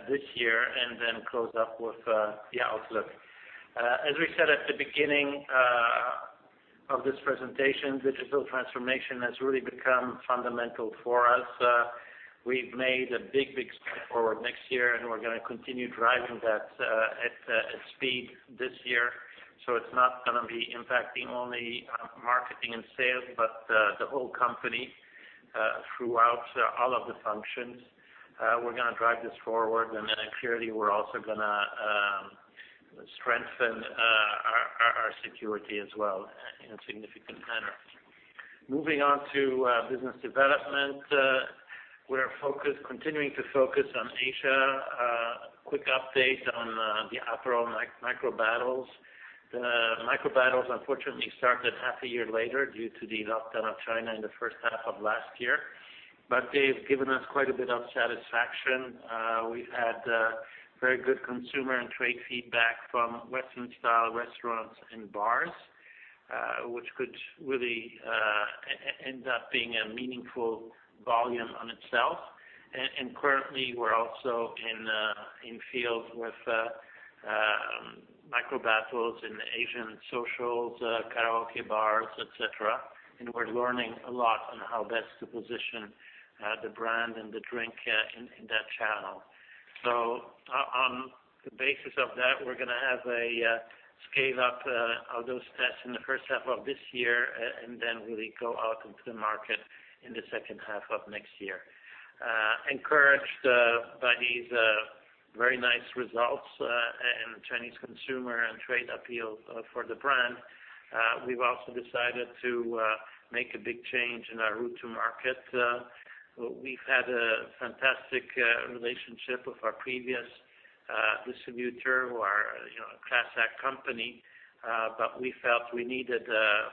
this year, and then close up with the outlook. As we said at the beginning of this presentation, digital transformation has really become fundamental for us. We've made a big step forward last year, and we're going to continue driving that at speed this year. It's not going to be impacting only marketing and sales, but the whole company throughout all of the functions. We're going to drive this forward, clearly, we're also going to strengthen our security as well in a significant manner. Moving on to business development. We're continuing to focus on Asia. A quick update on the Aperol Micro Battles. The Micro Battles unfortunately started half a year later due to the lockdown of China in the first half of last year. They've given us quite a bit of satisfaction. We've had very good consumer and trade feedback from Western-style restaurants and bars, which could really end up being a meaningful volume on itself. Currently, we're also in field with Micro Battles in Asian socials, karaoke bars, et cetera. We're learning a lot on how best to position the brand and the drink in that channel. On the basis of that, we're going to have a scale-up of those tests in the first half of this year and then really go out into the market in the second half of next year. Encouraged by these very nice results and Chinese consumer and trade appeal for the brand, we've also decided to make a big change in our route to market. We've had a fantastic relationship with our previous distributor who are a class-act company, but we felt we needed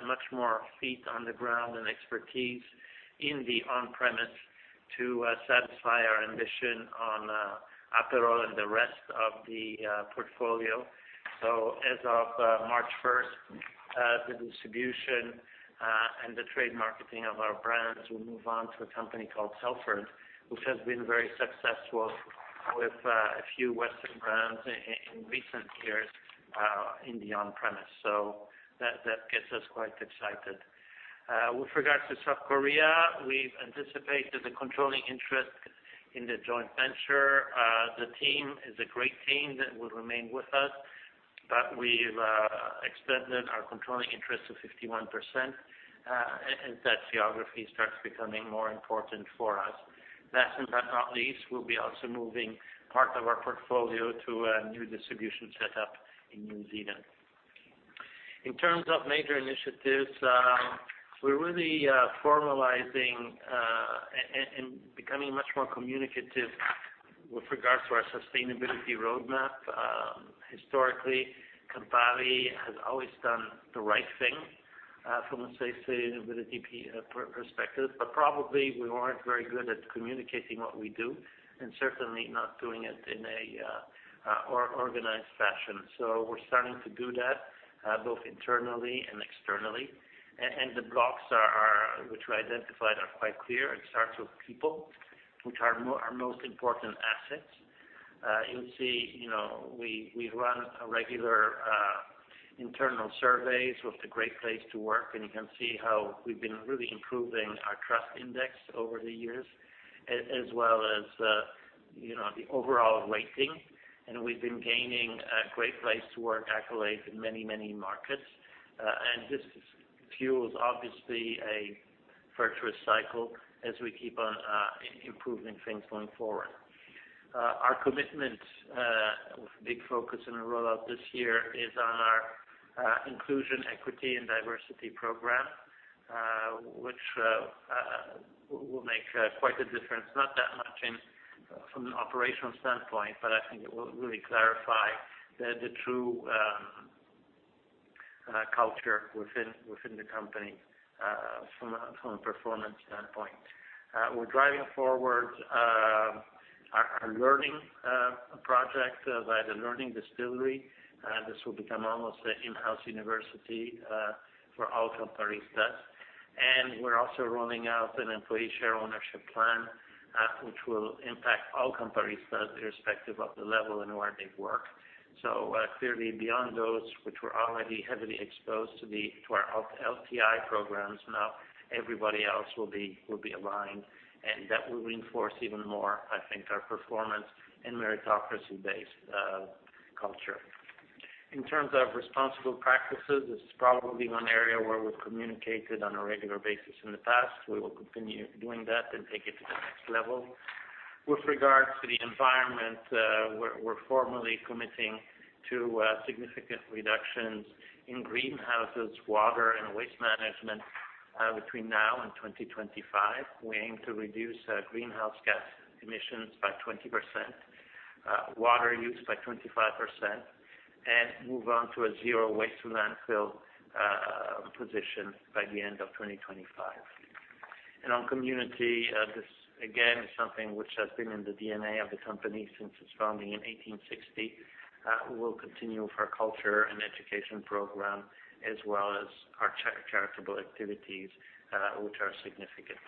much more feet on the ground and expertise in the on-premise to satisfy our ambition on Aperol and the rest of the portfolio. As of March 1st, the distribution and the trade marketing of our brands will move on to a company called Selfridge, which has been very successful with a few Western brands in recent years in the on-premise. That gets us quite excited. With regards to South Korea, we've anticipated the controlling interest in the joint venture. The team is a great team that will remain with us, but we've expanded our controlling interest to 51%, as that geography starts becoming more important for us. Last but not least, we'll be also moving part of our portfolio to a new distribution setup in New Zealand. In terms of major initiatives, we're really formalizing and becoming much more communicative with regards to our sustainability roadmap. Historically, Campari has always done the right thing from a sustainability perspective, but probably we aren't very good at communicating what we do, and certainly not doing it in an organized fashion. We're starting to do that both internally and externally, and the blocks which we identified are quite clear. It starts with people, which are our most important assets. You'll see we run regular internal surveys with A Great Place to Work, and you can see how we've been really improving our trust index over the years, as well as the overall rating. We've been gaining A Great Place to Work accolades in many markets. This fuels, obviously, a virtuous cycle as we keep on improving things going forward. Our commitment, with a big focus on a rollout this year, is on our inclusion, equity, and diversity program, which will make quite a difference, not that much from an operational standpoint, but I think it will really clarify the true culture within the company from a performance standpoint. We're driving forward our learning project, the Learning Distillery. This will become almost an in-house university for all Campari staff. We're also rolling out an employee share ownership plan, which will impact all Campari staff irrespective of the level and where they work. Clearly beyond those which were already heavily exposed to our LTI programs, now everybody else will be aligned, and that will reinforce even more, I think, our performance and meritocracy-based culture. In terms of responsible practices, this is probably one area where we've communicated on a regular basis in the past. We will continue doing that and take it to the next level. With regards to the environment, we're formally committing to significant reductions in greenhouse gas, water, and waste management between now and 2025. We aim to reduce greenhouse gas emissions by 20%, water use by 25%, and move on to a zero waste to landfill position by the end of 2025. On community, this again, is something which has been in the DNA of the company since its founding in 1860. We'll continue our culture and education program, as well as our charitable activities, which are significant.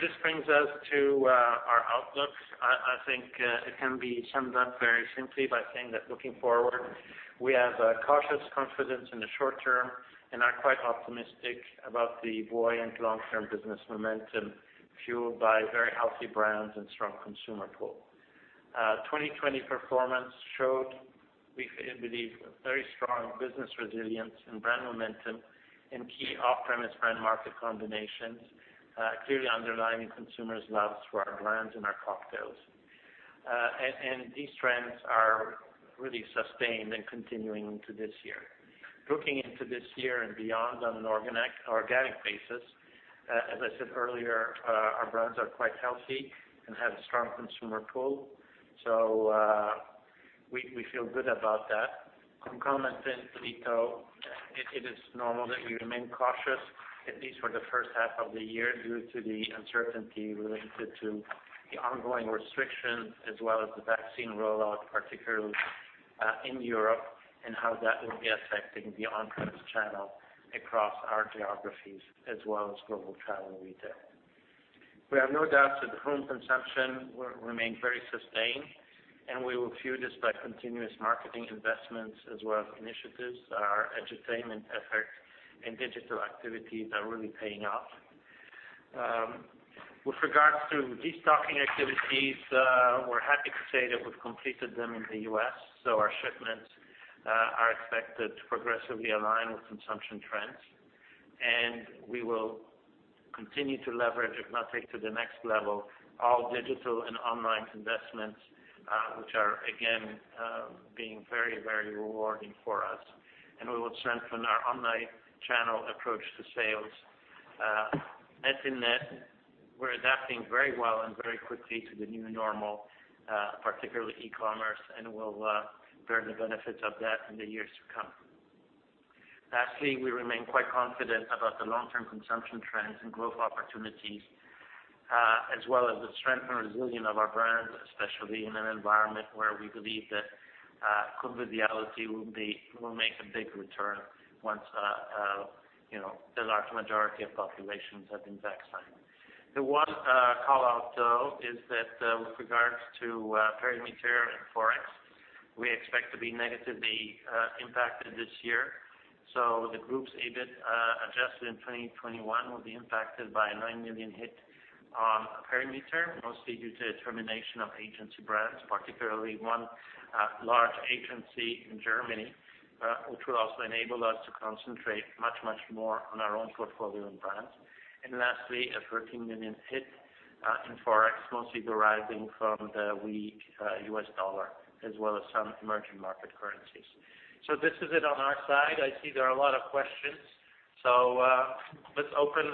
This brings us to our outlook. I think it can be summed up very simply by saying that looking forward, we have a cautious confidence in the short term and are quite optimistic about the buoyant long-term business momentum, fueled by very healthy brands and strong consumer pull. 2020 performance showed, we believe, very strong business resilience and brand momentum in key off-premise brand market combinations, clearly underlining consumers' loves for our brands and our cocktails. These trends are really sustained and continuing into this year. Looking into this year and beyond on an organic basis, as I said earlier, our brands are quite healthy and have a strong consumer pull. We feel good about that. On commenting, Vito, it is normal that we remain cautious, at least for the first half of the year, due to the uncertainty related to the ongoing restrictions as well as the vaccine rollout, particularly in Europe, and how that will be affecting the on-premise channel across our geographies as well as global travel retail. We have no doubt that the home consumption will remain very sustained, and we will fuel this by continuous marketing investments as well as initiatives. Our edutainment efforts and digital activities are really paying off. With regards to destocking activities, we are happy to say that we have completed them in the U.S., so our shipments are expected to progressively align with consumption trends. We will continue to leverage, if not take to the next level, all digital and online investments, which are again, being very rewarding for us. We will strengthen our online channel approach to sales. Net in net, we're adapting very well and very quickly to the new normal, particularly e-commerce, and we'll bear the benefits of that in the years to come. Lastly, we remain quite confident about the long-term consumption trends and growth opportunities, as well as the strength and resilience of our brands, especially in an environment where we believe that conviviality will make a big return once the large majority of populations have been vaccinated. The one call-out, though, is that with regards to perimeter and ForEx, we expect to be negatively impacted this year. The group's EBIT adjusted in 2021 will be impacted by a 9 million hit on perimeter, mostly due to termination of agency brands, particularly one large agency in Germany, which will also enable us to concentrate much more on our own portfolio and brands. Lastly, a 13 million hit in ForEx, mostly deriving from the weak U.S. dollar as well as some emerging market currencies. This is it on our side. I see there are a lot of questions. Let's open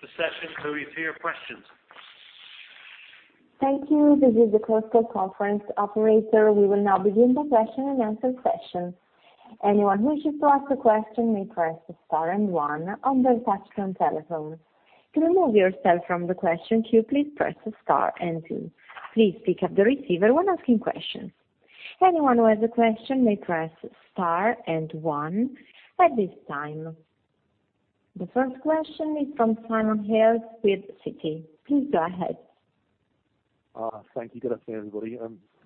the session to your questions. Thank you. The first question is from Simon Hales with Citi. Please go ahead. Thank you. Good afternoon, everybody.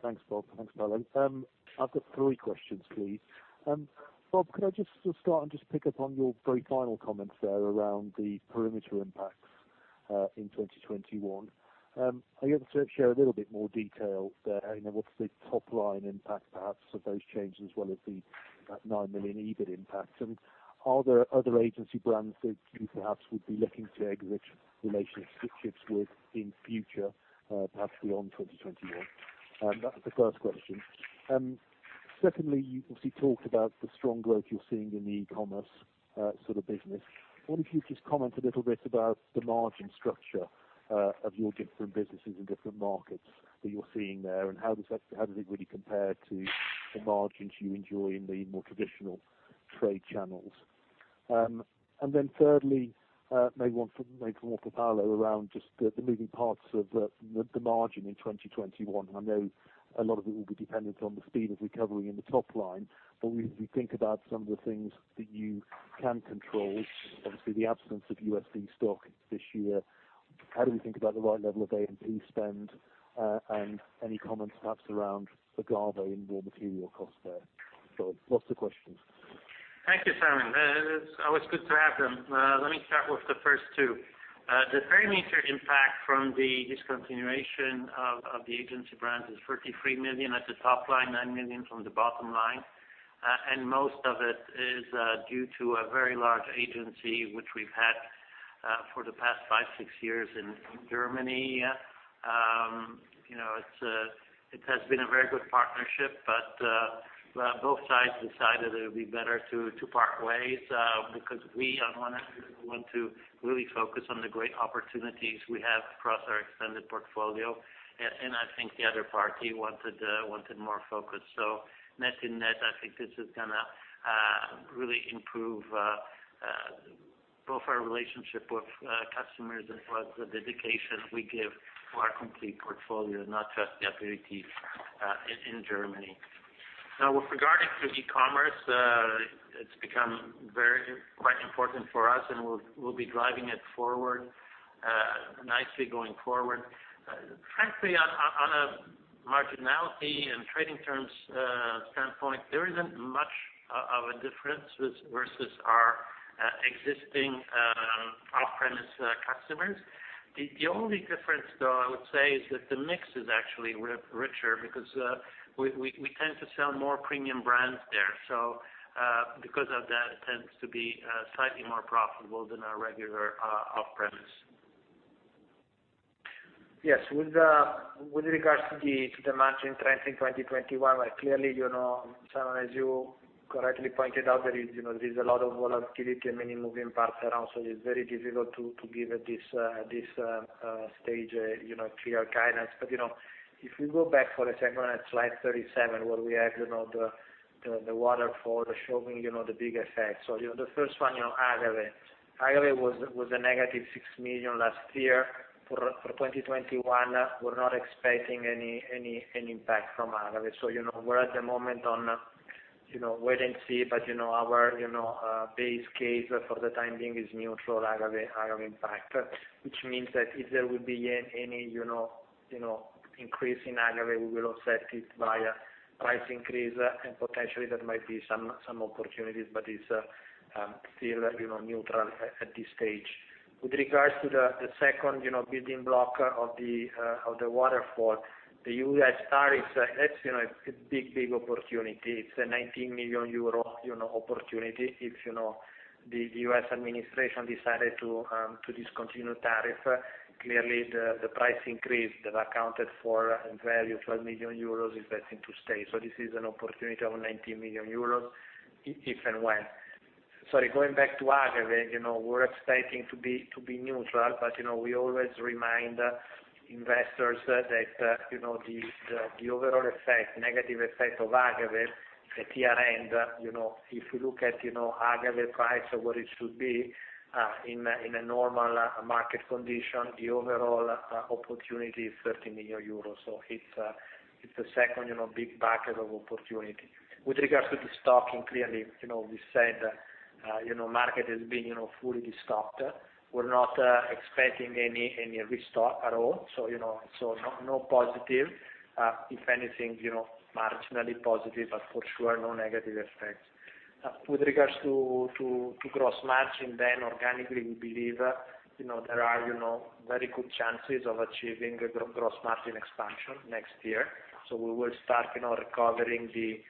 Thanks, Bob. Thanks, Paolo. I've got three questions, please. Bob, could I just start and just pick up on your very final comments there around the perimeter impacts in 2021? Are you able to share a little bit more detail there? What's the top line impact, perhaps, of those changes as well as the 9 million EBIT impacts? Are there other agency brands that you perhaps would be looking to exit relationships with in future, perhaps beyond 2021? That's the first question. Secondly, you obviously talked about the strong growth you're seeing in the e-commerce sort of business. I wonder if you could just comment a little bit about the margin structure of your different businesses and different markets that you're seeing there, and how does it really compare to the margins you enjoy in the more traditional trade channels? Thirdly, maybe one for Paolo around just the moving parts of the margin in 2021. I know a lot of it will be dependent on the speed of recovery in the top line, but when we think about some of the things that you can control, obviously the absence of USD Stock this year, how do we think about the right level of A&P spend? Any comments perhaps around agave and raw material cost there. Lots of questions. Thank you, Simon. It is always good to have them. Let me start with the first two. The perimeter impact from the discontinuation of the agency brands is 33 million at the top line, 9 million from the bottom line. Most of it is due to a very large agency which we have had for the past five, six years in Germany. It has been a very good partnership, but both sides decided it would be better to part ways because we, on one hand, want to really focus on the great opportunities we have across our extended portfolio. I think the other party wanted more focus. Net in net, I think this is going to really improve both our relationship with customers as well as the dedication we give to our complete portfolio, not just the activities in Germany. With regards to e-commerce, it's become quite important for us, and we'll be driving it forward, nicely going forward. Frankly, on a marginality and trading terms standpoint, there isn't much of a difference versus our existing off-premise customers. The only difference, though, I would say, is that the mix is actually richer because we tend to sell more premium brands there. Because of that, it tends to be slightly more profitable than our regular off-premise. Yes. With regards to the margin trends in 2021, clearly, Simon, as you correctly pointed out, there is a lot of volatility and many moving parts around, so it is very difficult to give at this stage a clear guidance. If we go back for a second on slide 37, where we have the waterfall showing the big effect. The first one, agave. Agave was a negative 6 million last year. For 2021, we're not expecting any impact from agave. We're at the moment on wait and see, but our base case for the time being is neutral agave impact. Which means that if there will be any increase in agave, we will offset it via price increase, and potentially there might be some opportunities, but it's still neutral at this stage. With regards to the second building block of the waterfall, the U.S. tariffs, that's a big opportunity. It's a 19 million euro opportunity. If the U.S. administration decided to discontinue tariff, clearly the price increase that accounted for 12 million euros is destined to stay. This is an opportunity of 19 million euros if and when. Sorry, going back to agave, we're expecting to be neutral, but we always remind investors that the overall negative effect of agave at year-end, if you look at agave price or what it should be in a normal market condition, the overall opportunity is 13 million euros. It's the second big bucket of opportunity. With regards to de-stocking, clearly, we said market has been fully de-stocked. We're not expecting any restock at all, no positive. If anything, marginally positive, for sure, no negative effects. With regards to gross margin, then organically, we believe there are very good chances of achieving gross margin expansion next year. We will start recovering the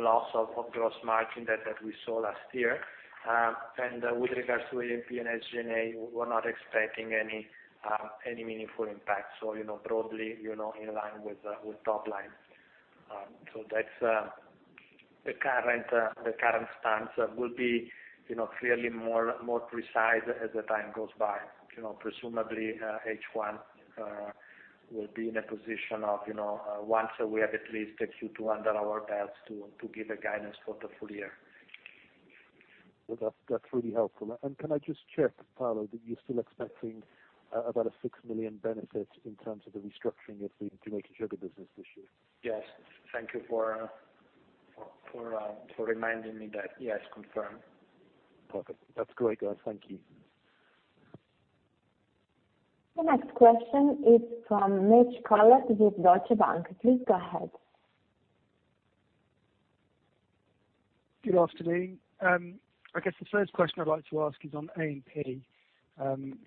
loss of gross margin that we saw last year. With regards to A&P and SG&A, we're not expecting any meaningful impact, broadly in line with top line. That's the current stance. We'll be clearly more precise as the time goes by. Presumably H1 we'll be in a position of once we have at least a Q2 under our belts to give a guidance for the full year. Well, that's really helpful. Can I just check, Paolo, that you're still expecting about a 6 million benefit in terms of the restructuring of the Jamaican sugar business this year? Yes. Thank you for reminding me that. Yes, confirmed. Perfect. That's great, guys. Thank you. The next question is from Mitch Collett with Deutsche Bank. Please go ahead. Good afternoon. I guess the first question I’d like to ask is on A&P,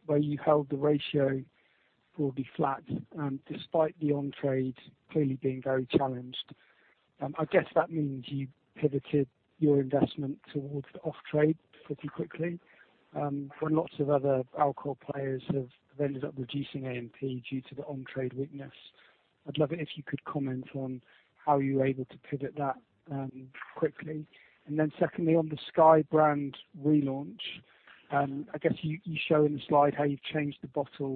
where you held the ratio broadly flat despite the on-trade clearly being very challenged. I guess that means you pivoted your investment towards the off-trade pretty quickly. Lots of other alcohol players have ended up reducing A&P due to the on-trade weakness. I’d love it if you could comment on how you were able to pivot that quickly. Secondly, on the SKYY brand relaunch, I guess you show in the slide how you’ve changed the bottle.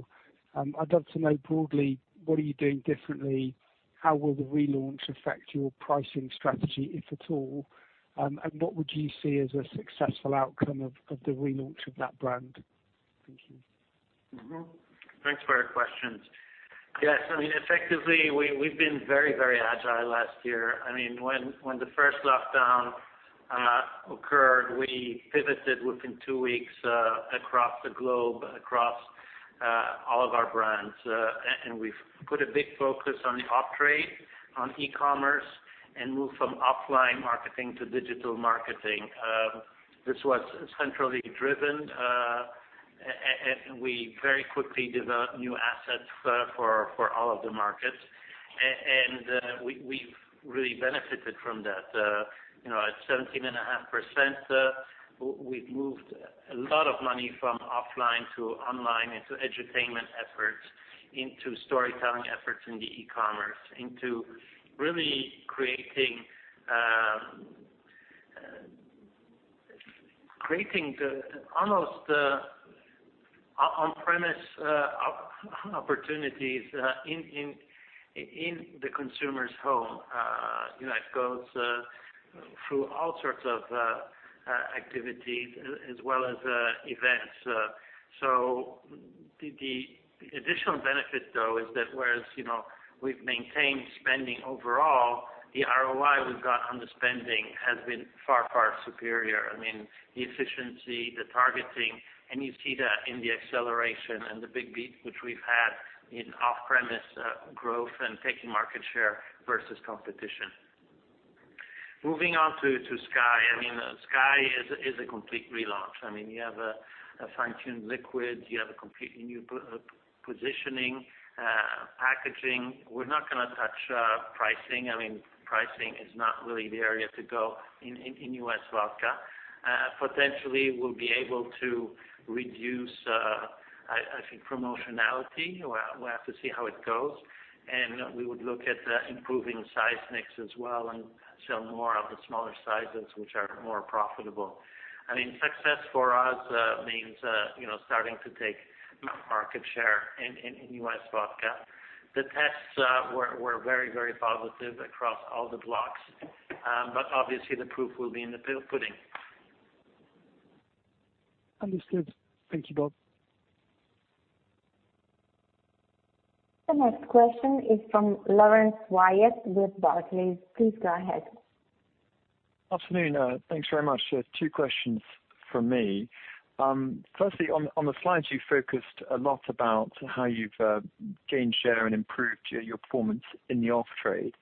I’d love to know broadly, what are you doing differently? How will the relaunch affect your pricing strategy, if at all? What would you see as a successful outcome of the relaunch of that brand? Thank you. Thanks for your questions. Yes, effectively, we've been very agile last year. When the first lockdown occurred, we pivoted within two weeks across the globe, across all of our brands. We've put a big focus on the off-trade, on e-commerce, and moved from offline marketing to digital marketing. This was centrally driven, and we very quickly developed new assets for all of the markets, and we've really benefited from that. At 17.5%, we've moved a lot of money from offline to online into edutainment efforts, into storytelling efforts in the e-commerce, into really creating almost on-premise opportunities in the consumer's home. It goes through all sorts of activities as well as events. The additional benefit though is that whereas we've maintained spending overall, the ROI we've got on the spending has been far, far superior. The efficiency, the targeting, and you see that in the acceleration and the big beat, which we've had in off-premise growth and taking market share versus competition. Moving on to SKYY. SKYY is a complete relaunch. You have a fine-tuned liquid, you have a completely new positioning, packaging. We're not going to touch pricing. Pricing is not really the area to go in U.S. vodka. Potentially, we'll be able to reduce, I think, promotionality. We'll have to see how it goes. We would look at improving size mix as well and sell more of the smaller sizes, which are more profitable. Success for us means starting to take market share in U.S. vodka. The tests were very positive across all the blocks. Obviously, the proof will be in the pudding. Understood. Thank you, Bob. The next question is from Laurence Whyatt with Barclays. Please go ahead. Afternoon. Thanks very much. Two questions from me. Firstly, on the slides, you focused a lot about how you've gained share and improved your performance in the off-trade.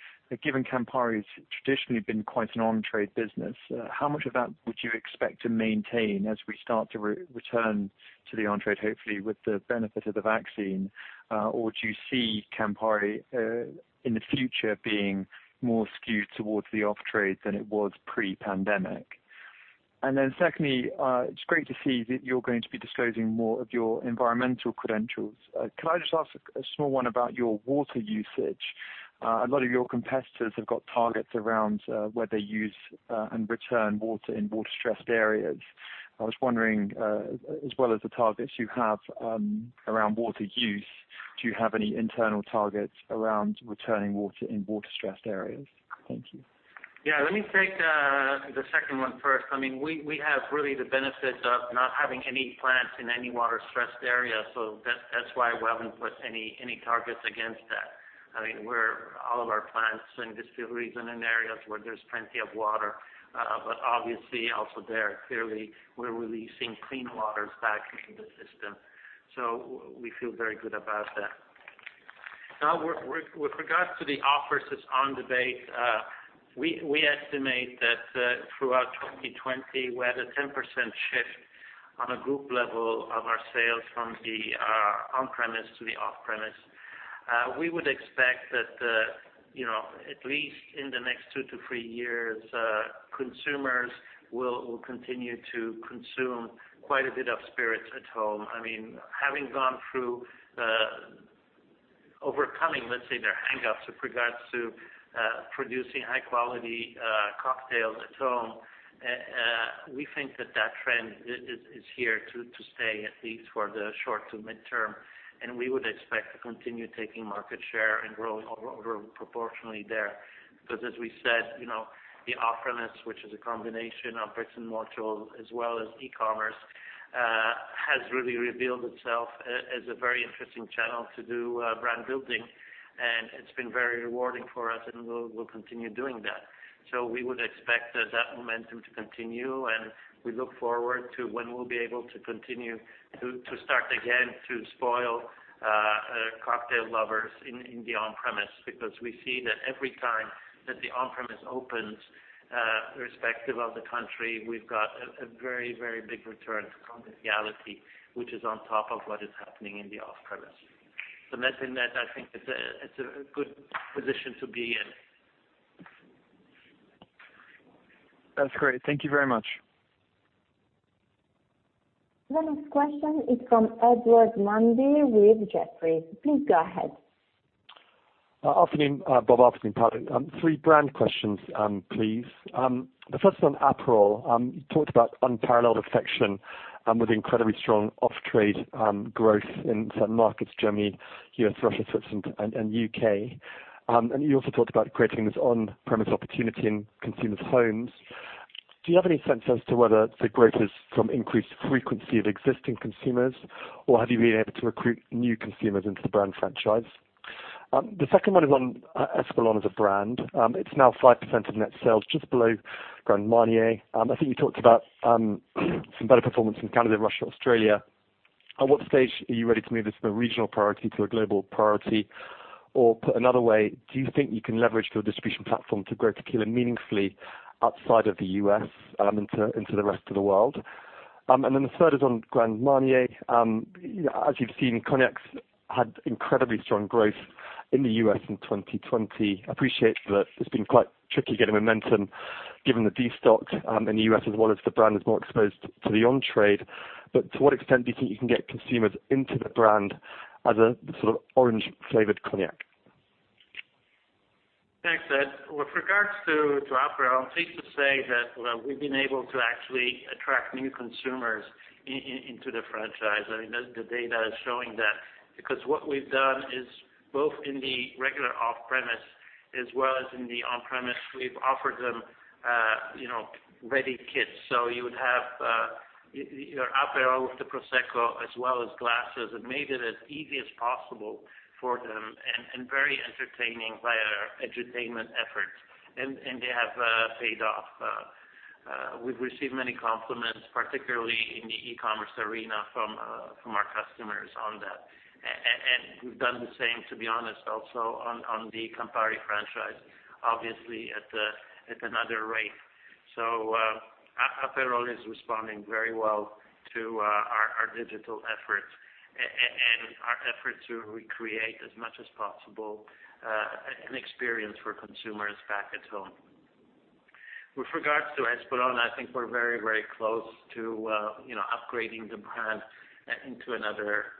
Given Campari's traditionally been quite an on-trade business, how much of that would you expect to maintain as we start to return to the on-trade, hopefully with the benefit of the vaccine? Do you see Campari in the future being more skewed towards the off-trade than it was pre-pandemic? Secondly, it's great to see that you're going to be disclosing more of your environmental credentials. Can I just ask a small one about your water usage? A lot of your competitors have got targets around where they use and return water in water-stressed areas. I was wondering, as well as the targets you have around water use, do you have any internal targets around returning water in water-stressed areas? Thank you. Yeah. Let me take the second one first. We have really the benefit of not having any plants in any water-stressed area, so that's why we haven't put any targets against that. All of our plants and distilleries are in areas where there's plenty of water. Obviously also there, clearly, we're releasing clean waters back into the system. We feel very good about that. Now, with regards to the off versus on debate, we estimate that throughout 2020, we had a 10% shift on a group level of our sales from the on-premise to the off-premise. We would expect that at least in the next two to three years, consumers will continue to consume quite a bit of spirits at home. Having gone through overcoming, let's say, their hang-ups with regards to producing high-quality cocktails at home, we think that that trend is here to stay, at least for the short to midterm, and we would expect to continue taking market share and growing over proportionally there. As we said, the off-premise, which is a combination of bricks-and-mortar as well as e-commerce—has really revealed itself as a very interesting channel to do brand building, and it's been very rewarding for us, and we'll continue doing that. We would expect that momentum to continue, and we look forward to when we'll be able to continue to start again to spoil cocktail lovers in the on-premise, because we see that every time that the on-premise opens, irrespective of the country, we've got a very big return to conviviality, which is on top of what is happening in the off-premise. Net in net, I think it's a good position to be in. That's great. Thank you very much. The next question is from Edward Mundy with Jefferies. Please go ahead. Afternoon, Bob. Afternoon, Paolo. Three brand questions, please. The first is on Aperol. You talked about unparalleled affection with incredibly strong off-trade growth in certain markets, Germany, U.S., Russia, Switzerland, and U.K. You also talked about creating this on-premise opportunity in consumers' homes. Do you have any sense as to whether the growth is from increased frequency of existing consumers, or have you been able to recruit new consumers into the brand franchise? The second one is on Espolòn as a brand. It's now 5% of net sales, just below Grand Marnier. I think you talked about some better performance in Canada, Russia, Australia. At what stage are you ready to move this from a regional priority to a global priority? Put another way, do you think you can leverage your distribution platform to grow tequila meaningfully outside of the U.S. into the rest of the world? The third is on Grand Marnier. As you've seen, cognacs had incredibly strong growth in the U.S. in 2020. Appreciate that it's been quite tricky getting momentum, given the destock in the U.S., as well as the brand is more exposed to the on-trade. To what extent do you think you can get consumers into the brand as a sort of orange-flavored cognac? Thanks, Ed. With regards to Aperol, safe to say that we've been able to actually attract new consumers into the franchise. The data is showing that, because what we've done is both in the regular off-premise as well as in the on-premise, we've offered them ready kits. You would have your Aperol with the prosecco as well as glasses, and made it as easy as possible for them, and very entertaining via edutainment efforts. They have paid off. We've received many compliments, particularly in the e-commerce arena, from our customers on that. We've done the same, to be honest, also on the Campari franchise, obviously at another rate. Aperol is responding very well to our digital efforts and our efforts to recreate, as much as possible, an experience for consumers back at home. With regards to Espolòn, I think we're very close to upgrading the brand into another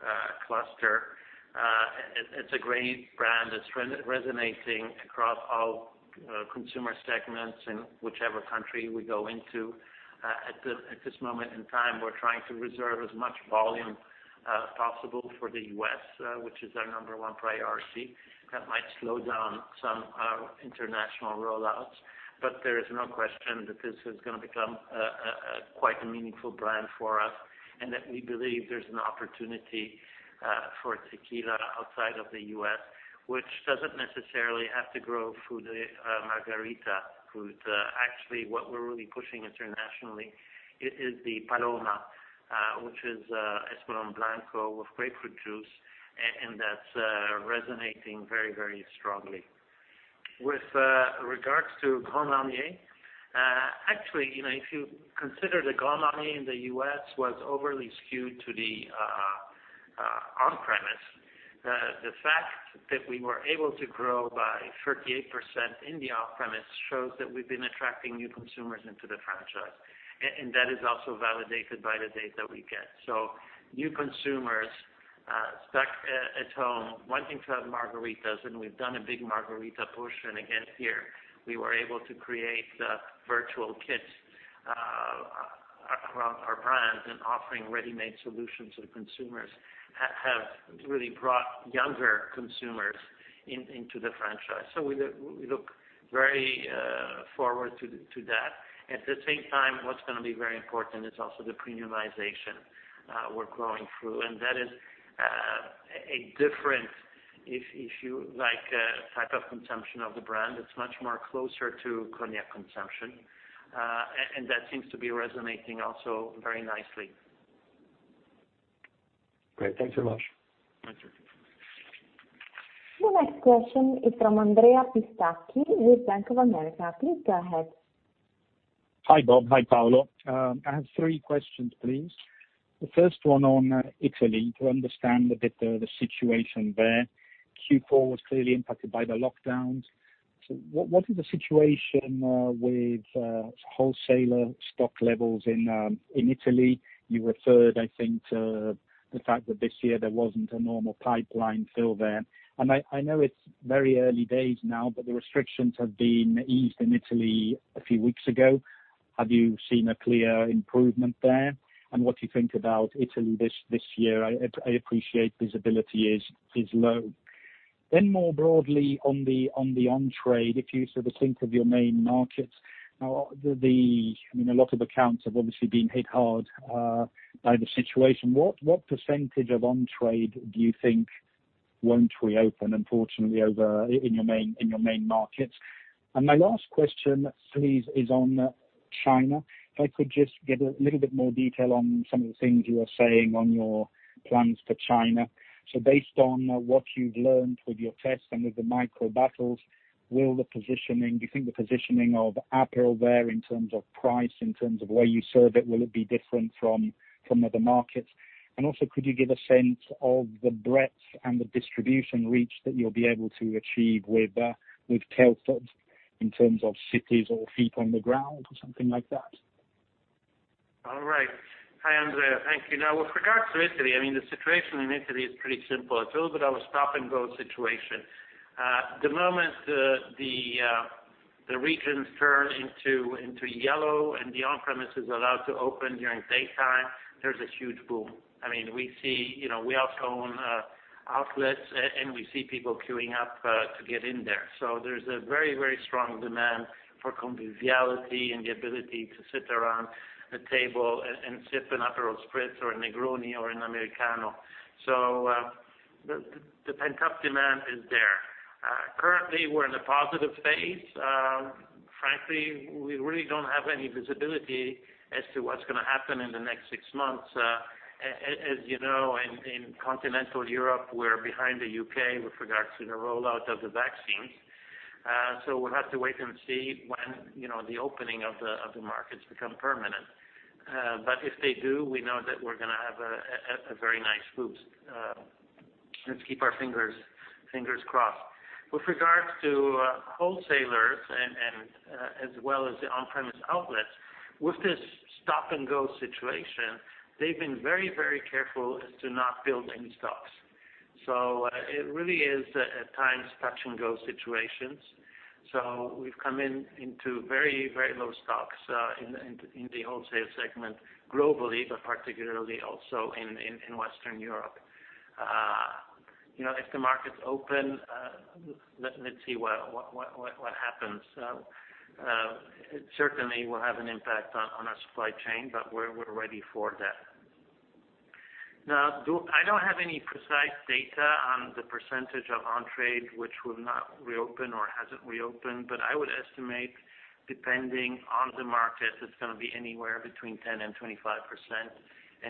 cluster. It's a great brand that's resonating across all consumer segments in whichever country we go into. At this moment in time, we're trying to reserve as much volume as possible for the U.S., which is our number one priority. That might slow down some international rollouts. There is no question that this is going to become quite a meaningful brand for us, and that we believe there's an opportunity for tequila outside of the U.S., which doesn't necessarily have to grow through the margarita route. What we're really pushing internationally is the Paloma, which is Espolòn Blanco with grapefruit juice, and that's resonating very strongly. With regards to Grand Marnier, actually, if you consider that Grand Marnier in the U.S. was overly skewed to the on-premise, the fact that we were able to grow by 38% in the off-premise shows that we've been attracting new consumers into the franchise. That is also validated by the data we get. New consumers stuck at home wanting to have margaritas, and we've done a big margarita push. Again, here, we were able to create virtual kits around our brand, and offering ready-made solutions to the consumers have really brought younger consumers into the franchise. We look very forward to that. At the same time, what's going to be very important is also the premiumization we're growing through. That is a different, if you like, type of consumption of the brand. It's much more closer to cognac consumption. That seems to be resonating also very nicely. Great. Thanks very much. Thank you. The next question is from Andrea Pistacchi with Bank of America. Please go ahead. Hi, Bob. Hi, Paolo. I have three questions, please. The first one on Italy to understand a bit the situation there. Q4 was clearly impacted by the lockdowns. What is the situation with wholesaler stock levels in Italy? You referred, I think, to the fact that this year there wasn't a normal pipeline fill there. I know it's very early days now, but the restrictions have been eased in Italy a few weeks ago. Have you seen a clear improvement there? What do you think about Italy this year? I appreciate visibility is low. More broadly, on the on-trade, if you sort of think of your main markets now, a lot of accounts have obviously been hit hard by the situation. What percentage of on-trade do you think won't reopen, unfortunately, in your main markets? My last question, please, is on China. If I could just get a little bit more detail on some of the things you are saying on your plans for China. Based on what you've learned with your tests and with the Micro Battles, do you think the positioning of Aperol there in terms of price, in terms of where you serve it, will it be different from other markets? Also, could you give a sense of the breadth and the distribution reach that you'll be able to achieve with Tailfoot in terms of cities or feet on the ground or something like that? Hi, Andrea. Thank you. With regards to Italy, the situation in Italy is pretty simple. It's a little bit of a stop-and-go situation. The moment the regions turn into yellow and the on-premise is allowed to open during daytime, there's a huge boom. We also own outlets. We see people queuing up to get in there. There's a very strong demand for conviviality and the ability to sit around a table and sip an Aperol Spritz or a Negroni or an Americano. The pent-up demand is there. Currently, we're in a positive phase. Frankly, we really don't have any visibility as to what's going to happen in the next six months. As you know, in continental Europe, we're behind the U.K. with regards to the rollout of the vaccines. We'll have to wait and see when the opening of the markets become permanent. If they do, we know that we're going to have a very nice boost. Let's keep our fingers crossed. With regards to wholesalers and as well as the on-premise outlets. With this stop-and-go situation, they've been very careful as to not build any stocks. It really is, at times, touch-and-go situations. We've come into very low stocks in the wholesale segment globally, but particularly also in Western Europe. If the markets open, let's see what happens. It certainly will have an impact on our supply chain, but we're ready for that. Now, I don't have any precise data on the percentage of on-trade which will not reopen or hasn't reopened, but I would estimate, depending on the market, it's going to be anywhere between 10%-25%.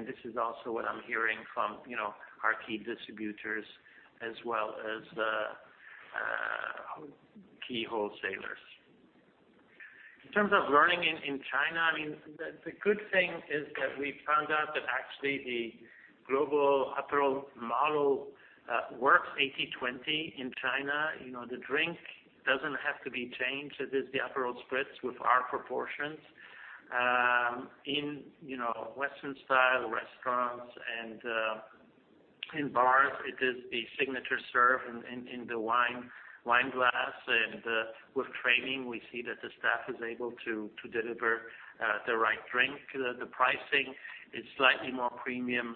This is also what I'm hearing from our key distributors as well as the key wholesalers. In terms of learning in China, the good thing is that we found out that actually the global Aperol model works 80/20 in China. The drink doesn't have to be changed. It is the Aperol Spritz with our proportions. In Western-style restaurants and in bars, it is a signature serve in the wine glass, and with training, we see that the staff is able to deliver the right drink. The pricing is slightly more premium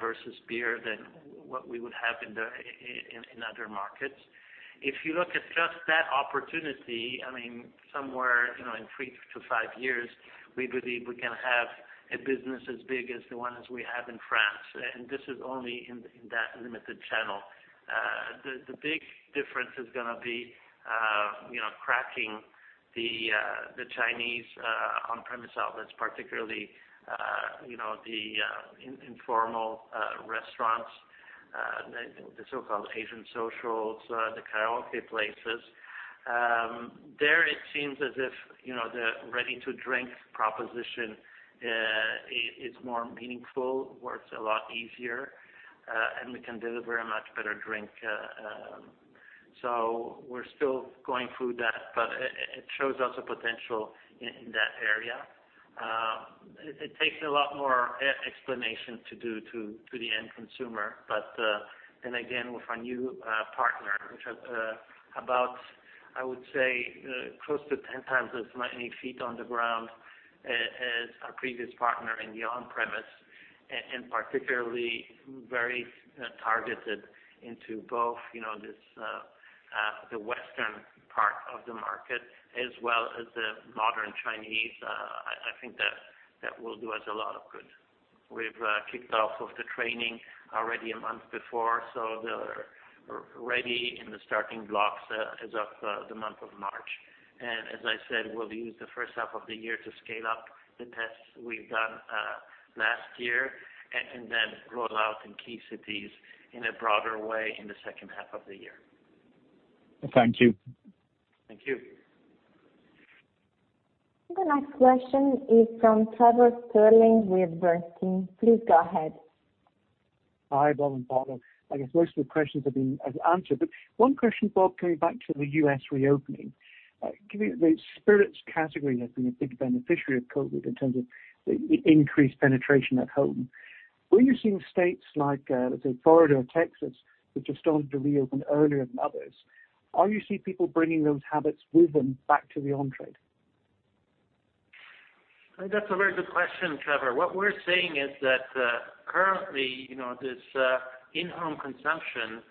versus beer than what we would have in other markets. If you look at just that opportunity, somewhere in three to five years, we believe we can have a business as big as the ones we have in France, and this is only in that limited channel. The big difference is going to be cracking the Chinese on-premise outlets, particularly the informal restaurants, the so-called Asian socials, the karaoke places. There, it seems as if the ready-to-drink proposition is more meaningful, works a lot easier, and we can deliver a much better drink. We're still going through that, but it shows us a potential in that area. It takes a lot more explanation to do to the end consumer. Again, with our new partner, which has about, I would say, close to 10 times as many feet on the ground as our previous partner in the on-premise, and particularly very targeted into both the western part of the market as well as the modern Chinese, I think that will do us a lot of good. We've kicked off of the training already a month before. They're ready in the starting blocks as of the month of March. As I said, we'll use the first half of the year to scale up the tests we've done last year, and then roll out in key cities in a broader way in the second half of the year. Thank you. Thank you. The next question is from Trevor Stirling with Bernstein. Please go ahead. Hi, Bob and Paolo. I guess most of the questions have been answered. One question, Bob, coming back to the U.S. reopening. The spirits category has been a big beneficiary of COVID-19 in terms of the increased penetration at home. When you're seeing states like, let's say, Florida and Texas, which have started to reopen earlier than others, are you seeing people bringing those habits with them back to the on-trade? That's a very good question, Trevor. What we're seeing is that currently, this in-home consumption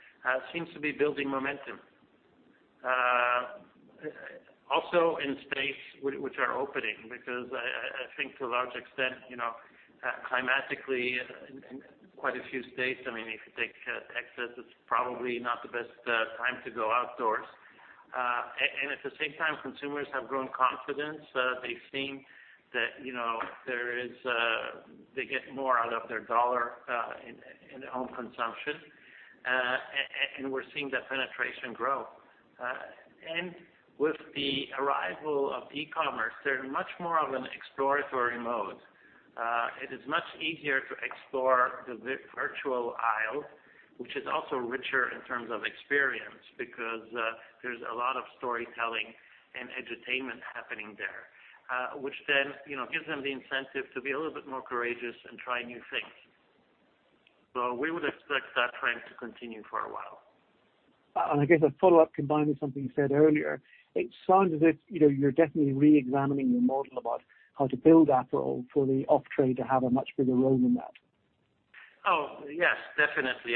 seems to be building momentum. Also in states which are opening, because I think to a large extent, climatically, in quite a few states, if you take Texas, it's probably not the best time to go outdoors. At the same time, consumers have grown confidence. They think that they get more out of their dollar in home consumption, and we're seeing that penetration grow. With the arrival of e-commerce, they're much more of an exploratory mode. It is much easier to explore the virtual aisle, which is also richer in terms of experience because there's a lot of storytelling and entertainment happening there, which then gives them the incentive to be a little bit more courageous and try new things. We would expect that trend to continue for a while. I guess a follow-up combined with something you said earlier, it sounds as if you're definitely re-examining your model about how to build Aperol for the off-trade to have a much bigger role in that. Yes, definitely.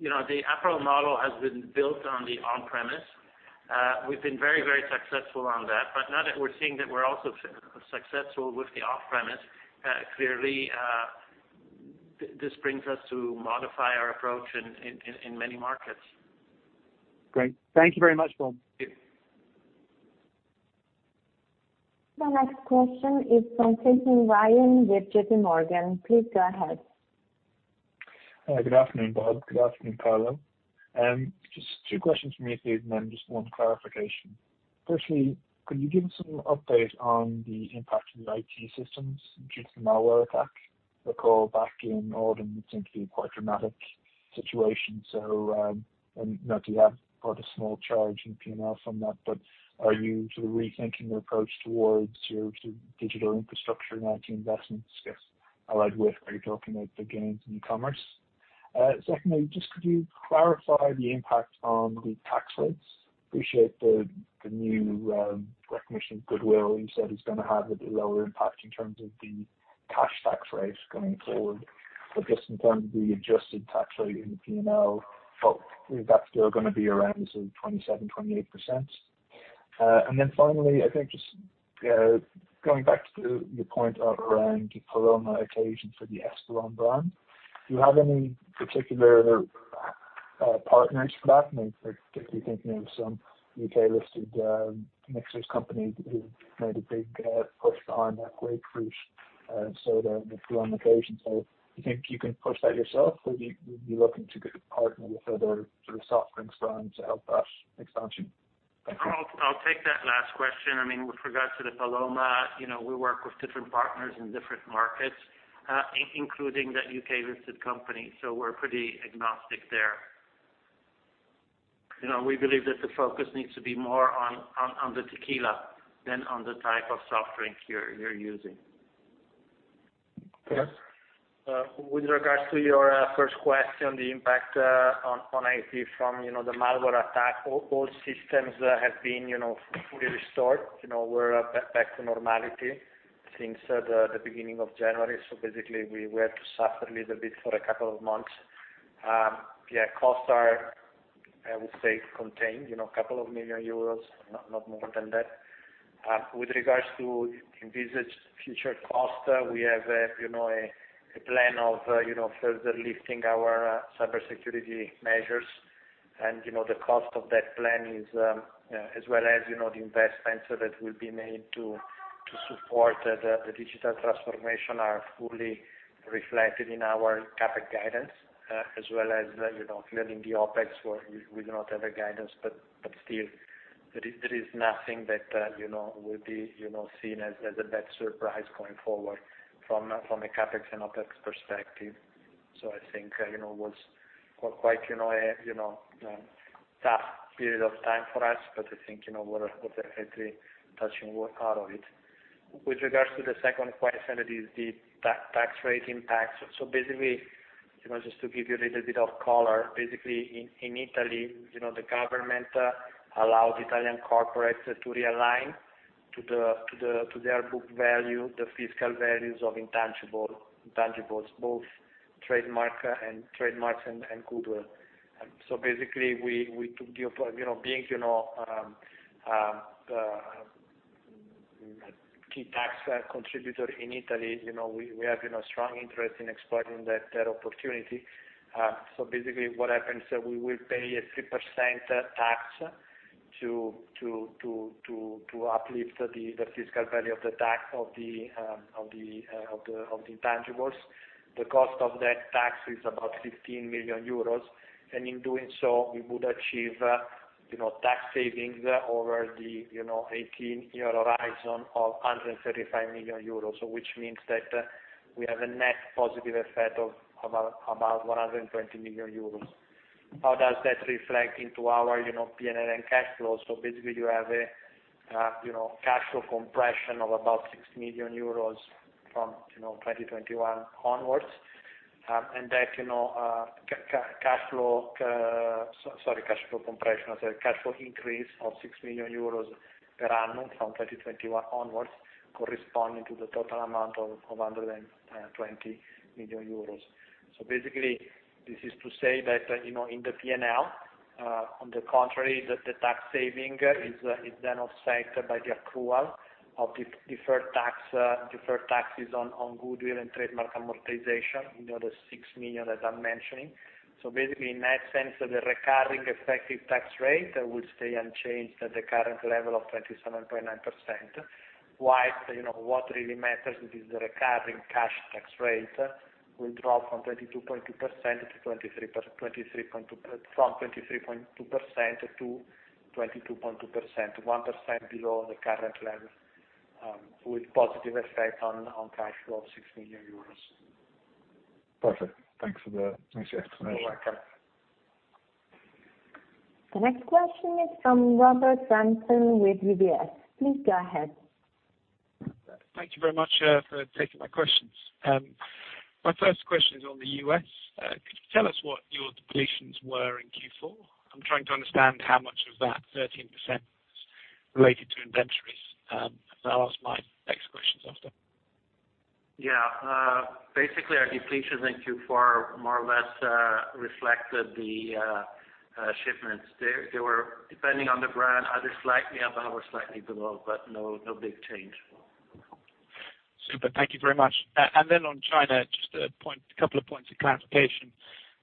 The Aperol model has been built on the on-premise. We've been very successful on that, now that we're seeing that we're also successful with the off-premise, clearly, this brings us to modify our approach in many markets. Great. Thank you very much, Bob. Thank you. The next question is from Quentin Ryan with J.P. Morgan. Please go ahead. Good afternoon, Bob. Good afternoon, Paolo. Just two questions from me, please, and then just one clarification. Firstly, could you give us some update on the impact of the IT systems due to the malware attack? Recall back in autumn, it seemed to be quite dramatic situation. Not to have quite a small charge in P&L from that, are you sort of rethinking your approach towards your sort of digital infrastructure now to investments, just allied with, are you talking about the gains in e-commerce? Secondly, just could you clarify the impact on the tax rates? Appreciate the new recognition of goodwill. You said it's going to have a lower impact in terms of the cash tax rates going forward, just in terms of the adjusted tax rate in the P&L, is that still going to be around the sort of 27%, 28%? Finally, I think just going back to the point of around the Paloma occasion for the Aperol brand, do you have any particular partners for that? Particularly thinking of some U.K.-listed mixers company who made a big push on that grapefruit soda with Paloma occasions. Do you think you can push that yourself, or would you be looking to partner with other sort of soft drink brands to help that expansion? Thank you. I'll take that last question. With regards to the Paloma, we work with different partners in different markets, including that U.K.-listed company, so we're pretty agnostic there. We believe that the focus needs to be more on the tequila than on the type of soft drink you're using. Okay. With regards to your first question, the impact on IT from the malware attack, all systems have been fully restored. We're back to normality since the beginning of January, basically we had to suffer a little bit for a couple of months. Yeah, costs are, I would say, contained, couple of million EUR, not more than that. With regards to envisaged future costs, we have a plan of further lifting our cybersecurity measures and the cost of that plan is, as well as the investments that will be made to support the digital transformation, are fully reflected in our CapEx guidance, as well as clearly in the OpEx, where we do not have a guidance, but still, there is nothing that will be seen as a bad surprise going forward from a CapEx and OpEx perspective. I think it was quite a tough period of time for us, but I think we're definitely touching wood out of it. With regards to the second question that is the tax rate impact, basically, just to give you a little bit of color. Basically, in Italy, the government allowed Italian corporates to realign to their book value, the fiscal values of intangibles, both trademarks and goodwill. Basically, being a key tax contributor in Italy, we have strong interest in exploiting that opportunity. Basically what happens, we will pay a 3% tax to uplift the fiscal value of the intangibles. The cost of that tax is about 15 million euros. In doing so, we would achieve tax savings over the 18-year horizon of 135 million euros. Which means that we have a net positive effect of about 120 million euros. How does that reflect into our P&L and cash flows? You have a cash flow compression of about 6 million euros from 2021 onwards. Sorry, cash flow compression. I said cash flow increase of 6 million euros per annum from 2021 onwards, corresponding to the total amount of 120 million euros. This is to say that, in the P&L, on the contrary, that the tax saving is then offset by the accrual of deferred taxes on goodwill and trademark amortization, the other 6 million that I'm mentioning. In that sense, the recurring effective tax rate will stay unchanged at the current level of 27.9%, whilst what really matters is the recurring cash tax rate will drop from 23.2% to 22.2%, 1% below the current level, with positive effect on cash flow of 6 million euros. Perfect. Thanks for the extra explanation. You're welcome. The next question is from Robert Samson with UBS. Please go ahead. Thank you very much for taking my questions. My first question is on the U.S. Could you tell us what your depletions were in Q4? I'm trying to understand how much of that 13% was related to inventories. I'll ask my next questions after. Yeah. Basically, our depletions in Q4 more or less reflected the shipments. They were, depending on the brand, either slightly above or slightly below, but no big change. Super. Thank you very much. On China, just a couple of points of clarification.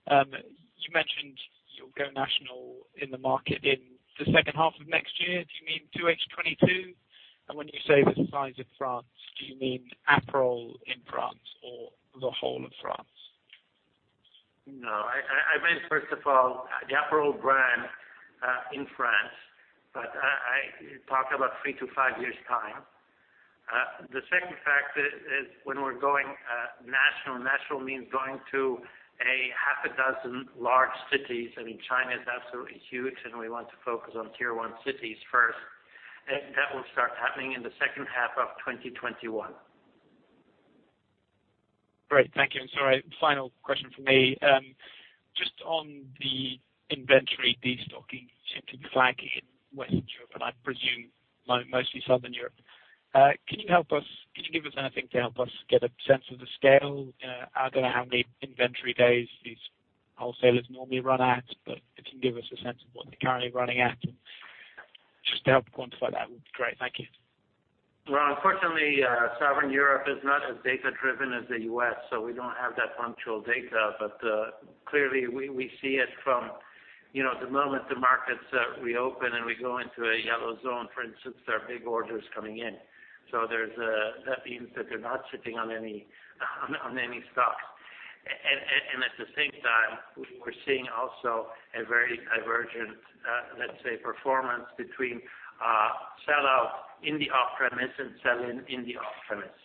You mentioned you'll go national in the market in the second half of next year. Do you mean 2H 2022? When you say the size of France, do you mean Aperol in France or the whole of France? No, I meant, first of all, the Aperol brand in France. I talk about three to five years' time. The second factor is when we're going national. National means going to a half a dozen large cities. China is absolutely huge. We want to focus on tier one cities first. That will start happening in the second half of 2021. Great. Thank you. Sorry, final question from me. Just on the inventory destocking shifting flag in Western Europe, and I presume mostly Southern Europe. Can you give us anything to help us get a sense of the scale? I don't know how many inventory days these wholesalers normally run at, but if you can give us a sense of what they're currently running at, just to help quantify that would be great. Thank you. Unfortunately, Southern Europe is not as data-driven as the U.S., we don't have that punctual data. Clearly we see it from the moment the markets reopen, and we go into a yellow zone, for instance, there are big orders coming in. That means that they're not sitting on any stock. At the same time, we're seeing also a very divergent, let's say, performance between sellout in the off-premise and sell-in in the off-premise.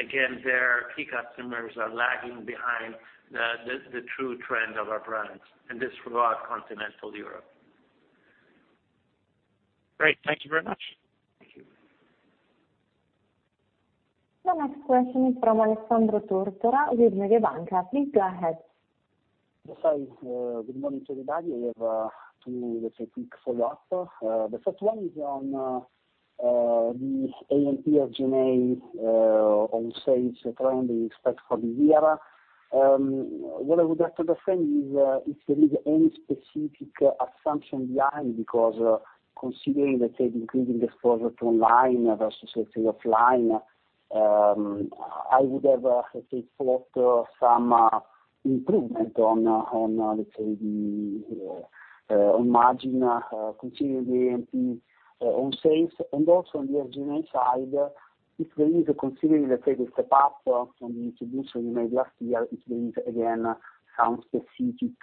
Again, their key customers are lagging behind the true trend of our brands, and this throughout continental Europe. Great. Thank you very much. Thank you. The next question is from Alessandro Tortora with Mediobanca. Please go ahead. Yes, hi. Good morning to everybody. I have two, let's say, quick follow-up. The first one is on the A&P of G&A on sales trend you expect for this year. What I would like to understand is if there is any specific assumption behind, because considering, let's say, the increasing exposure to online versus offline, I would have, let's say, thought some improvement on margin, considering the A&P on sales. Also on the G&A side, if there is, considering let's say the step up from the introduction you made last year, if there is again some specific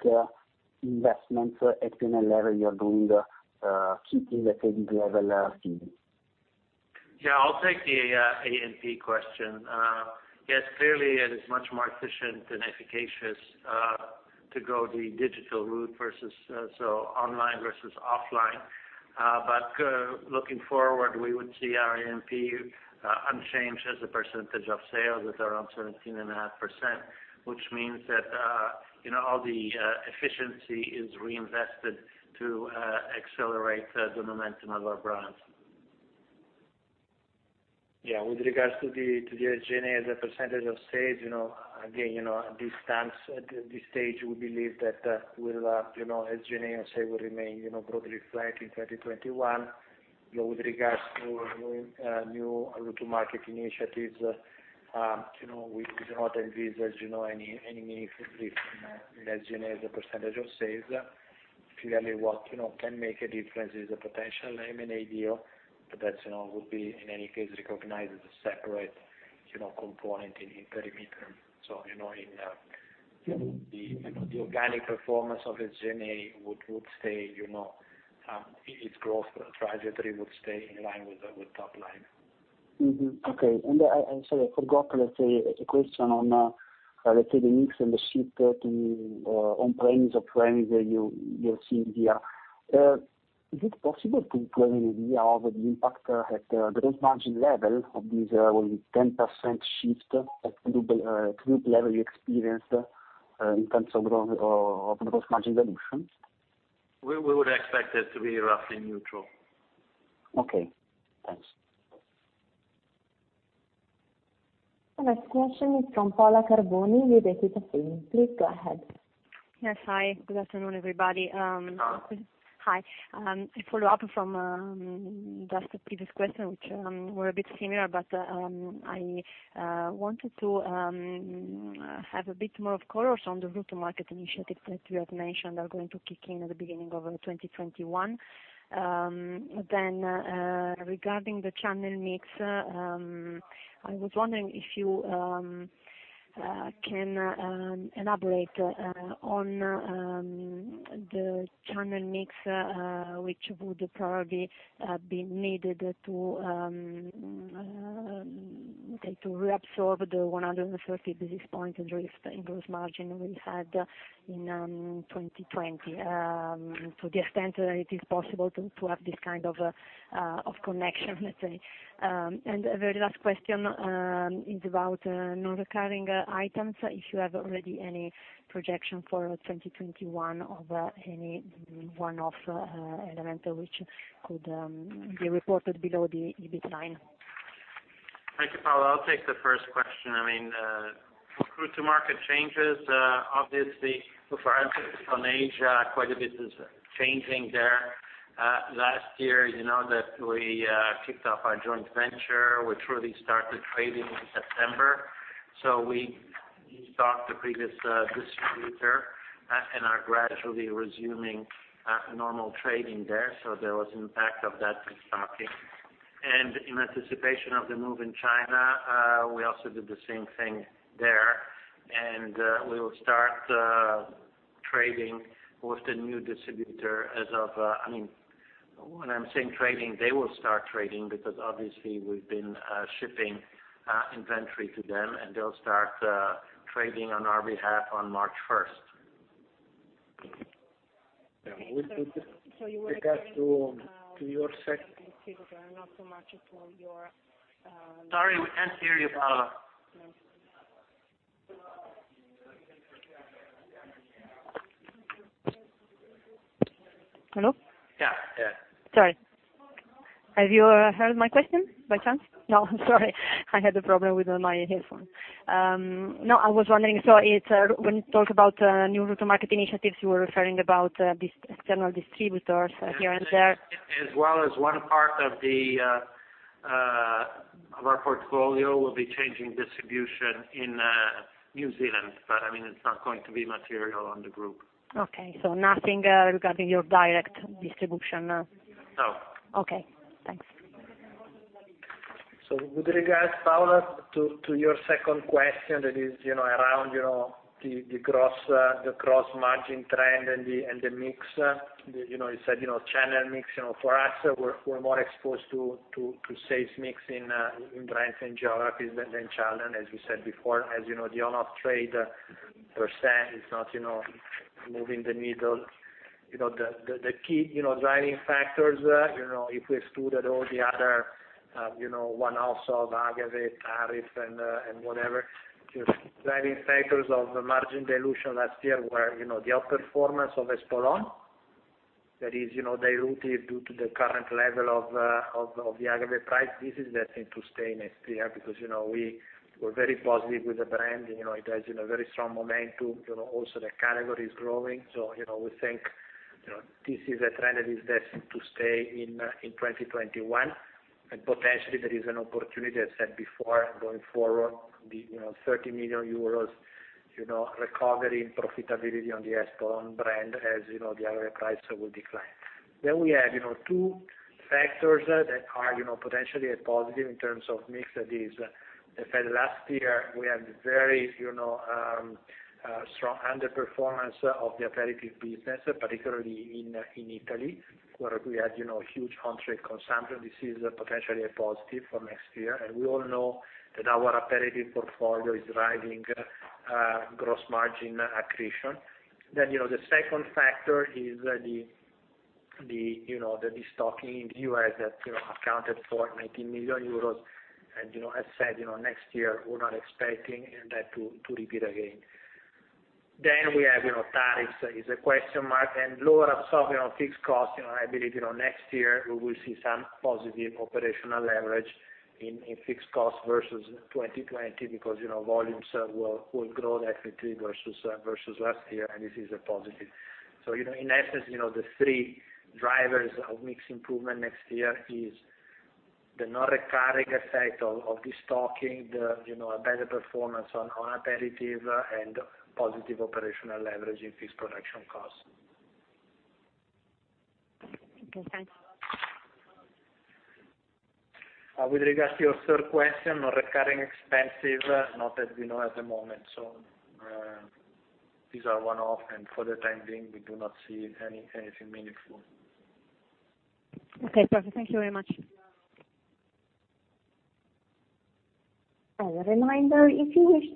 investments at P&L level you are doing keeping the same level of fees. Yeah, I'll take the A&P question. Yes, clearly it is much more efficient and efficacious to go the digital route versus online versus offline. Looking forward, we would see our A&P unchanged as a percentage of sales at around 17.5%, which means that all the efficiency is reinvested to accelerate the momentum of our brands. Yeah. With regards to the G&A as a percentage of sales, again, at this stage, we believe that G&A of sales will remain broadly flat in 2021. With regards to new go-to-market initiatives, we do not envisage any meaningful difference in G&A as a percentage of sales. Clearly, what can make a difference is a potential M&A deal, but that would be in any case recognized as a separate component in the perimeter. In the organic performance of G&A, its growth trajectory would stay in line with top line. Okay. Sorry, I forgot, let's say, the question on, let's say, the mix and the shift on brands you're seeing here. Is it possible to have an idea of the impact at gross margin level of this, let's say, 10% shift at group level you experienced in terms of gross margin reduction? We would expect it to be roughly neutral. Okay. Thanks. The next question is from Paola Carboni with EQUITA SIM. Please go ahead. Yes. Hi. Good afternoon, everybody. Paola. Hi. A follow-up from just the previous question, which were a bit similar, but I wanted to have a bit more of colors on the go-to-market initiatives that you have mentioned are going to kick in at the beginning of 2021. Regarding the channel mix, I was wondering if you can elaborate on the channel mix which would probably be needed to reabsorb the 130 basis points drift in gross margin we had in 2020, to the extent that it is possible to have this kind of connection, let's say. A very last question is about non-recurring items, if you have already any projection for 2021 of any one-off element which could be reported below the EBIT line. Thank you, Paola. I'll take the first question. Go-to-market changes, obviously with our entry from Asia, quite a bit is changing there. Last year, you know that we kicked off our joint venture, which really started trading in September. We stocked the previous distributor and are gradually resuming normal trading there. There was an impact of that destocking. In anticipation of the move in China, we also did the same thing there. We will start trading with the new distributor. When I'm saying trading, they will start trading because obviously we've been shipping inventory to them, and they'll start trading on our behalf on March 1st. Okay. With regards to your sec- Not so much for. Sorry, we can't hear you, Paola. Hello? Yeah. Sorry. Have you heard my question by chance? I am sorry. I had a problem with my headphone. I was wondering, when you talk about new go-to-market initiatives, you were referring about these external distributors here and there? One part of our portfolio will be changing distribution in New Zealand, but it's not going to be material on the Group. Okay. Nothing regarding your direct distribution? No. Okay. Thanks. With regards, Paola, to your second question that is around the gross margin trend and the mix, you said channel mix. For us, we are more exposed to sales mix in brands and geographies than channel, as we said before. As you know, the on-off trade % is not moving the needle. The key driving factors, if we excluded all the other one-offs of agave, tariff, and whatever, just driving factors of margin dilution last year were the outperformance of Espolòn that is diluted due to the current level of the agave price. This is destined to stay next year because we are very positive with the brand. It has very strong momentum. Also, the category is growing. We think, this is a trend that is destined to stay in 2021. Potentially there is an opportunity, as said before, going forward, the 30 million euros recovery in profitability on the Espolòn brand as the agave price will decline. We have two factors that are potentially a positive in terms of mix. That is, if at last year we had very strong underperformance of the aperitif business, particularly in Italy, where we had huge on-trade consumption. This is potentially a positive for next year. We all know that our aperitif portfolio is driving gross margin accretion. The second factor is the de-stocking in the U.S. that accounted for 19 million euros. As said, next year, we're not expecting that to repeat again. We have tariffs is a question mark and lower absorption on fixed costs. I believe, next year, we will see some positive operational leverage in fixed costs versus 2020 because volumes will grow definitely versus last year, and this is a positive. In essence, the three drivers of mix improvement next year is the non-recurring effect of de-stocking, a better performance on aperitif, and positive operational leverage in fixed production costs. Okay, thanks. With regards to your third question on recurring expenses, not that we know at the moment. These are one-off, and for the time being, we do not see anything meaningful. Okay, perfect. Thank you very much. There is a follow-up question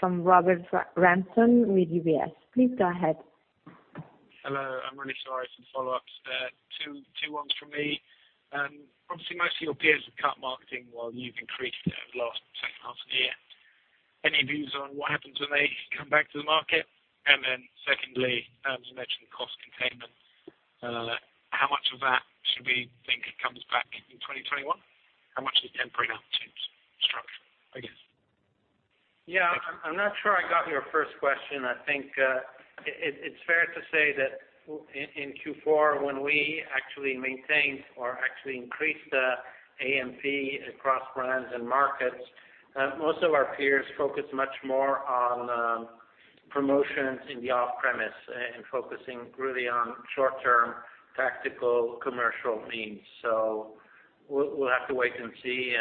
from Robert Samson with UBS. Please go ahead. Hello, I'm really sorry. Some follow-ups. Two ones from me. Obviously, most of your peers have cut marketing while you've increased it over the last second half of the year. Any views on what happens when they come back to the market? Secondly, as you mentioned, cost containment. How much of that should we think comes back in 2021? How much is temporary now to structure, I guess? Yeah. Thank you. I'm not sure I got your first question. I think, it's fair to say that in Q4, when we actually maintained or actually increased the A&P across brands and markets, most of our peers focused much more on promotions in the off-premise and focusing really on short-term tactical commercial means. We'll have to wait and see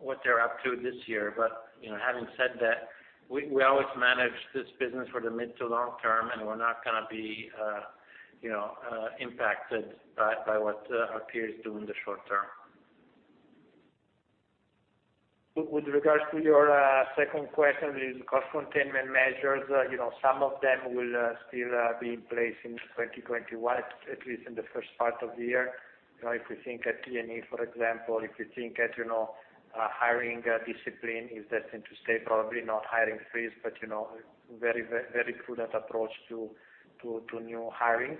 what they're up to this year. Having said that, we always manage this business for the mid to long term, and we're not going to be impacted by what our peers do in the short term. With regards to your second question with cost containment measures, some of them will still be in place in 2021, at least in the first part of the year. If we think at T&E, for example, if you think at hiring discipline is destined to stay probably, not hiring freeze, but very prudent approach to new hiring,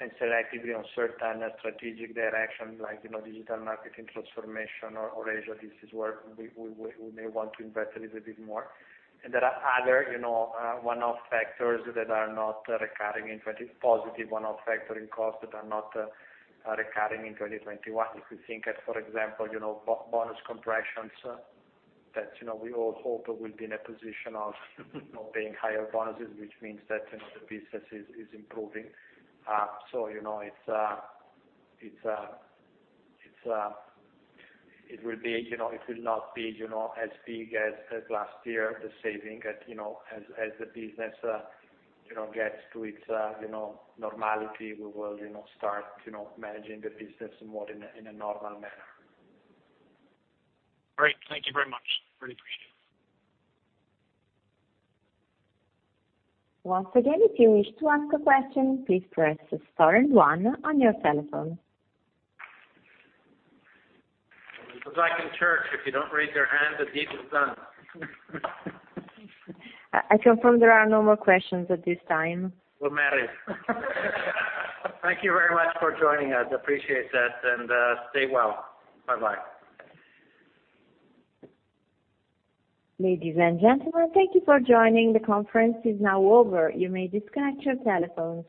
and selectively on certain strategic direction like digital marketing transformation or Asia. This is where we may want to invest a little bit more. There are other positive one-off factors in costs that are not recurring in 2021. If you think at, for example, bonus compressions, that we all hope will be in a position of paying higher bonuses, which means that the business is improving. It will not be as big as last year, the saving. As the business gets to its normality, we will start managing the business more in a normal manner. Great. Thank you very much. Really appreciate it. Once again, if you wish to ask a question, please press Star and One on your telephone. It's like in church, if you don't raise your hand, the deed is done. I confirm there are no more questions at this time. We're married. Thank you very much for joining us. Appreciate it, and stay well. Bye-bye. Ladies and gentlemen, thank you for joining. The conference is now over. You may disconnect your telephones.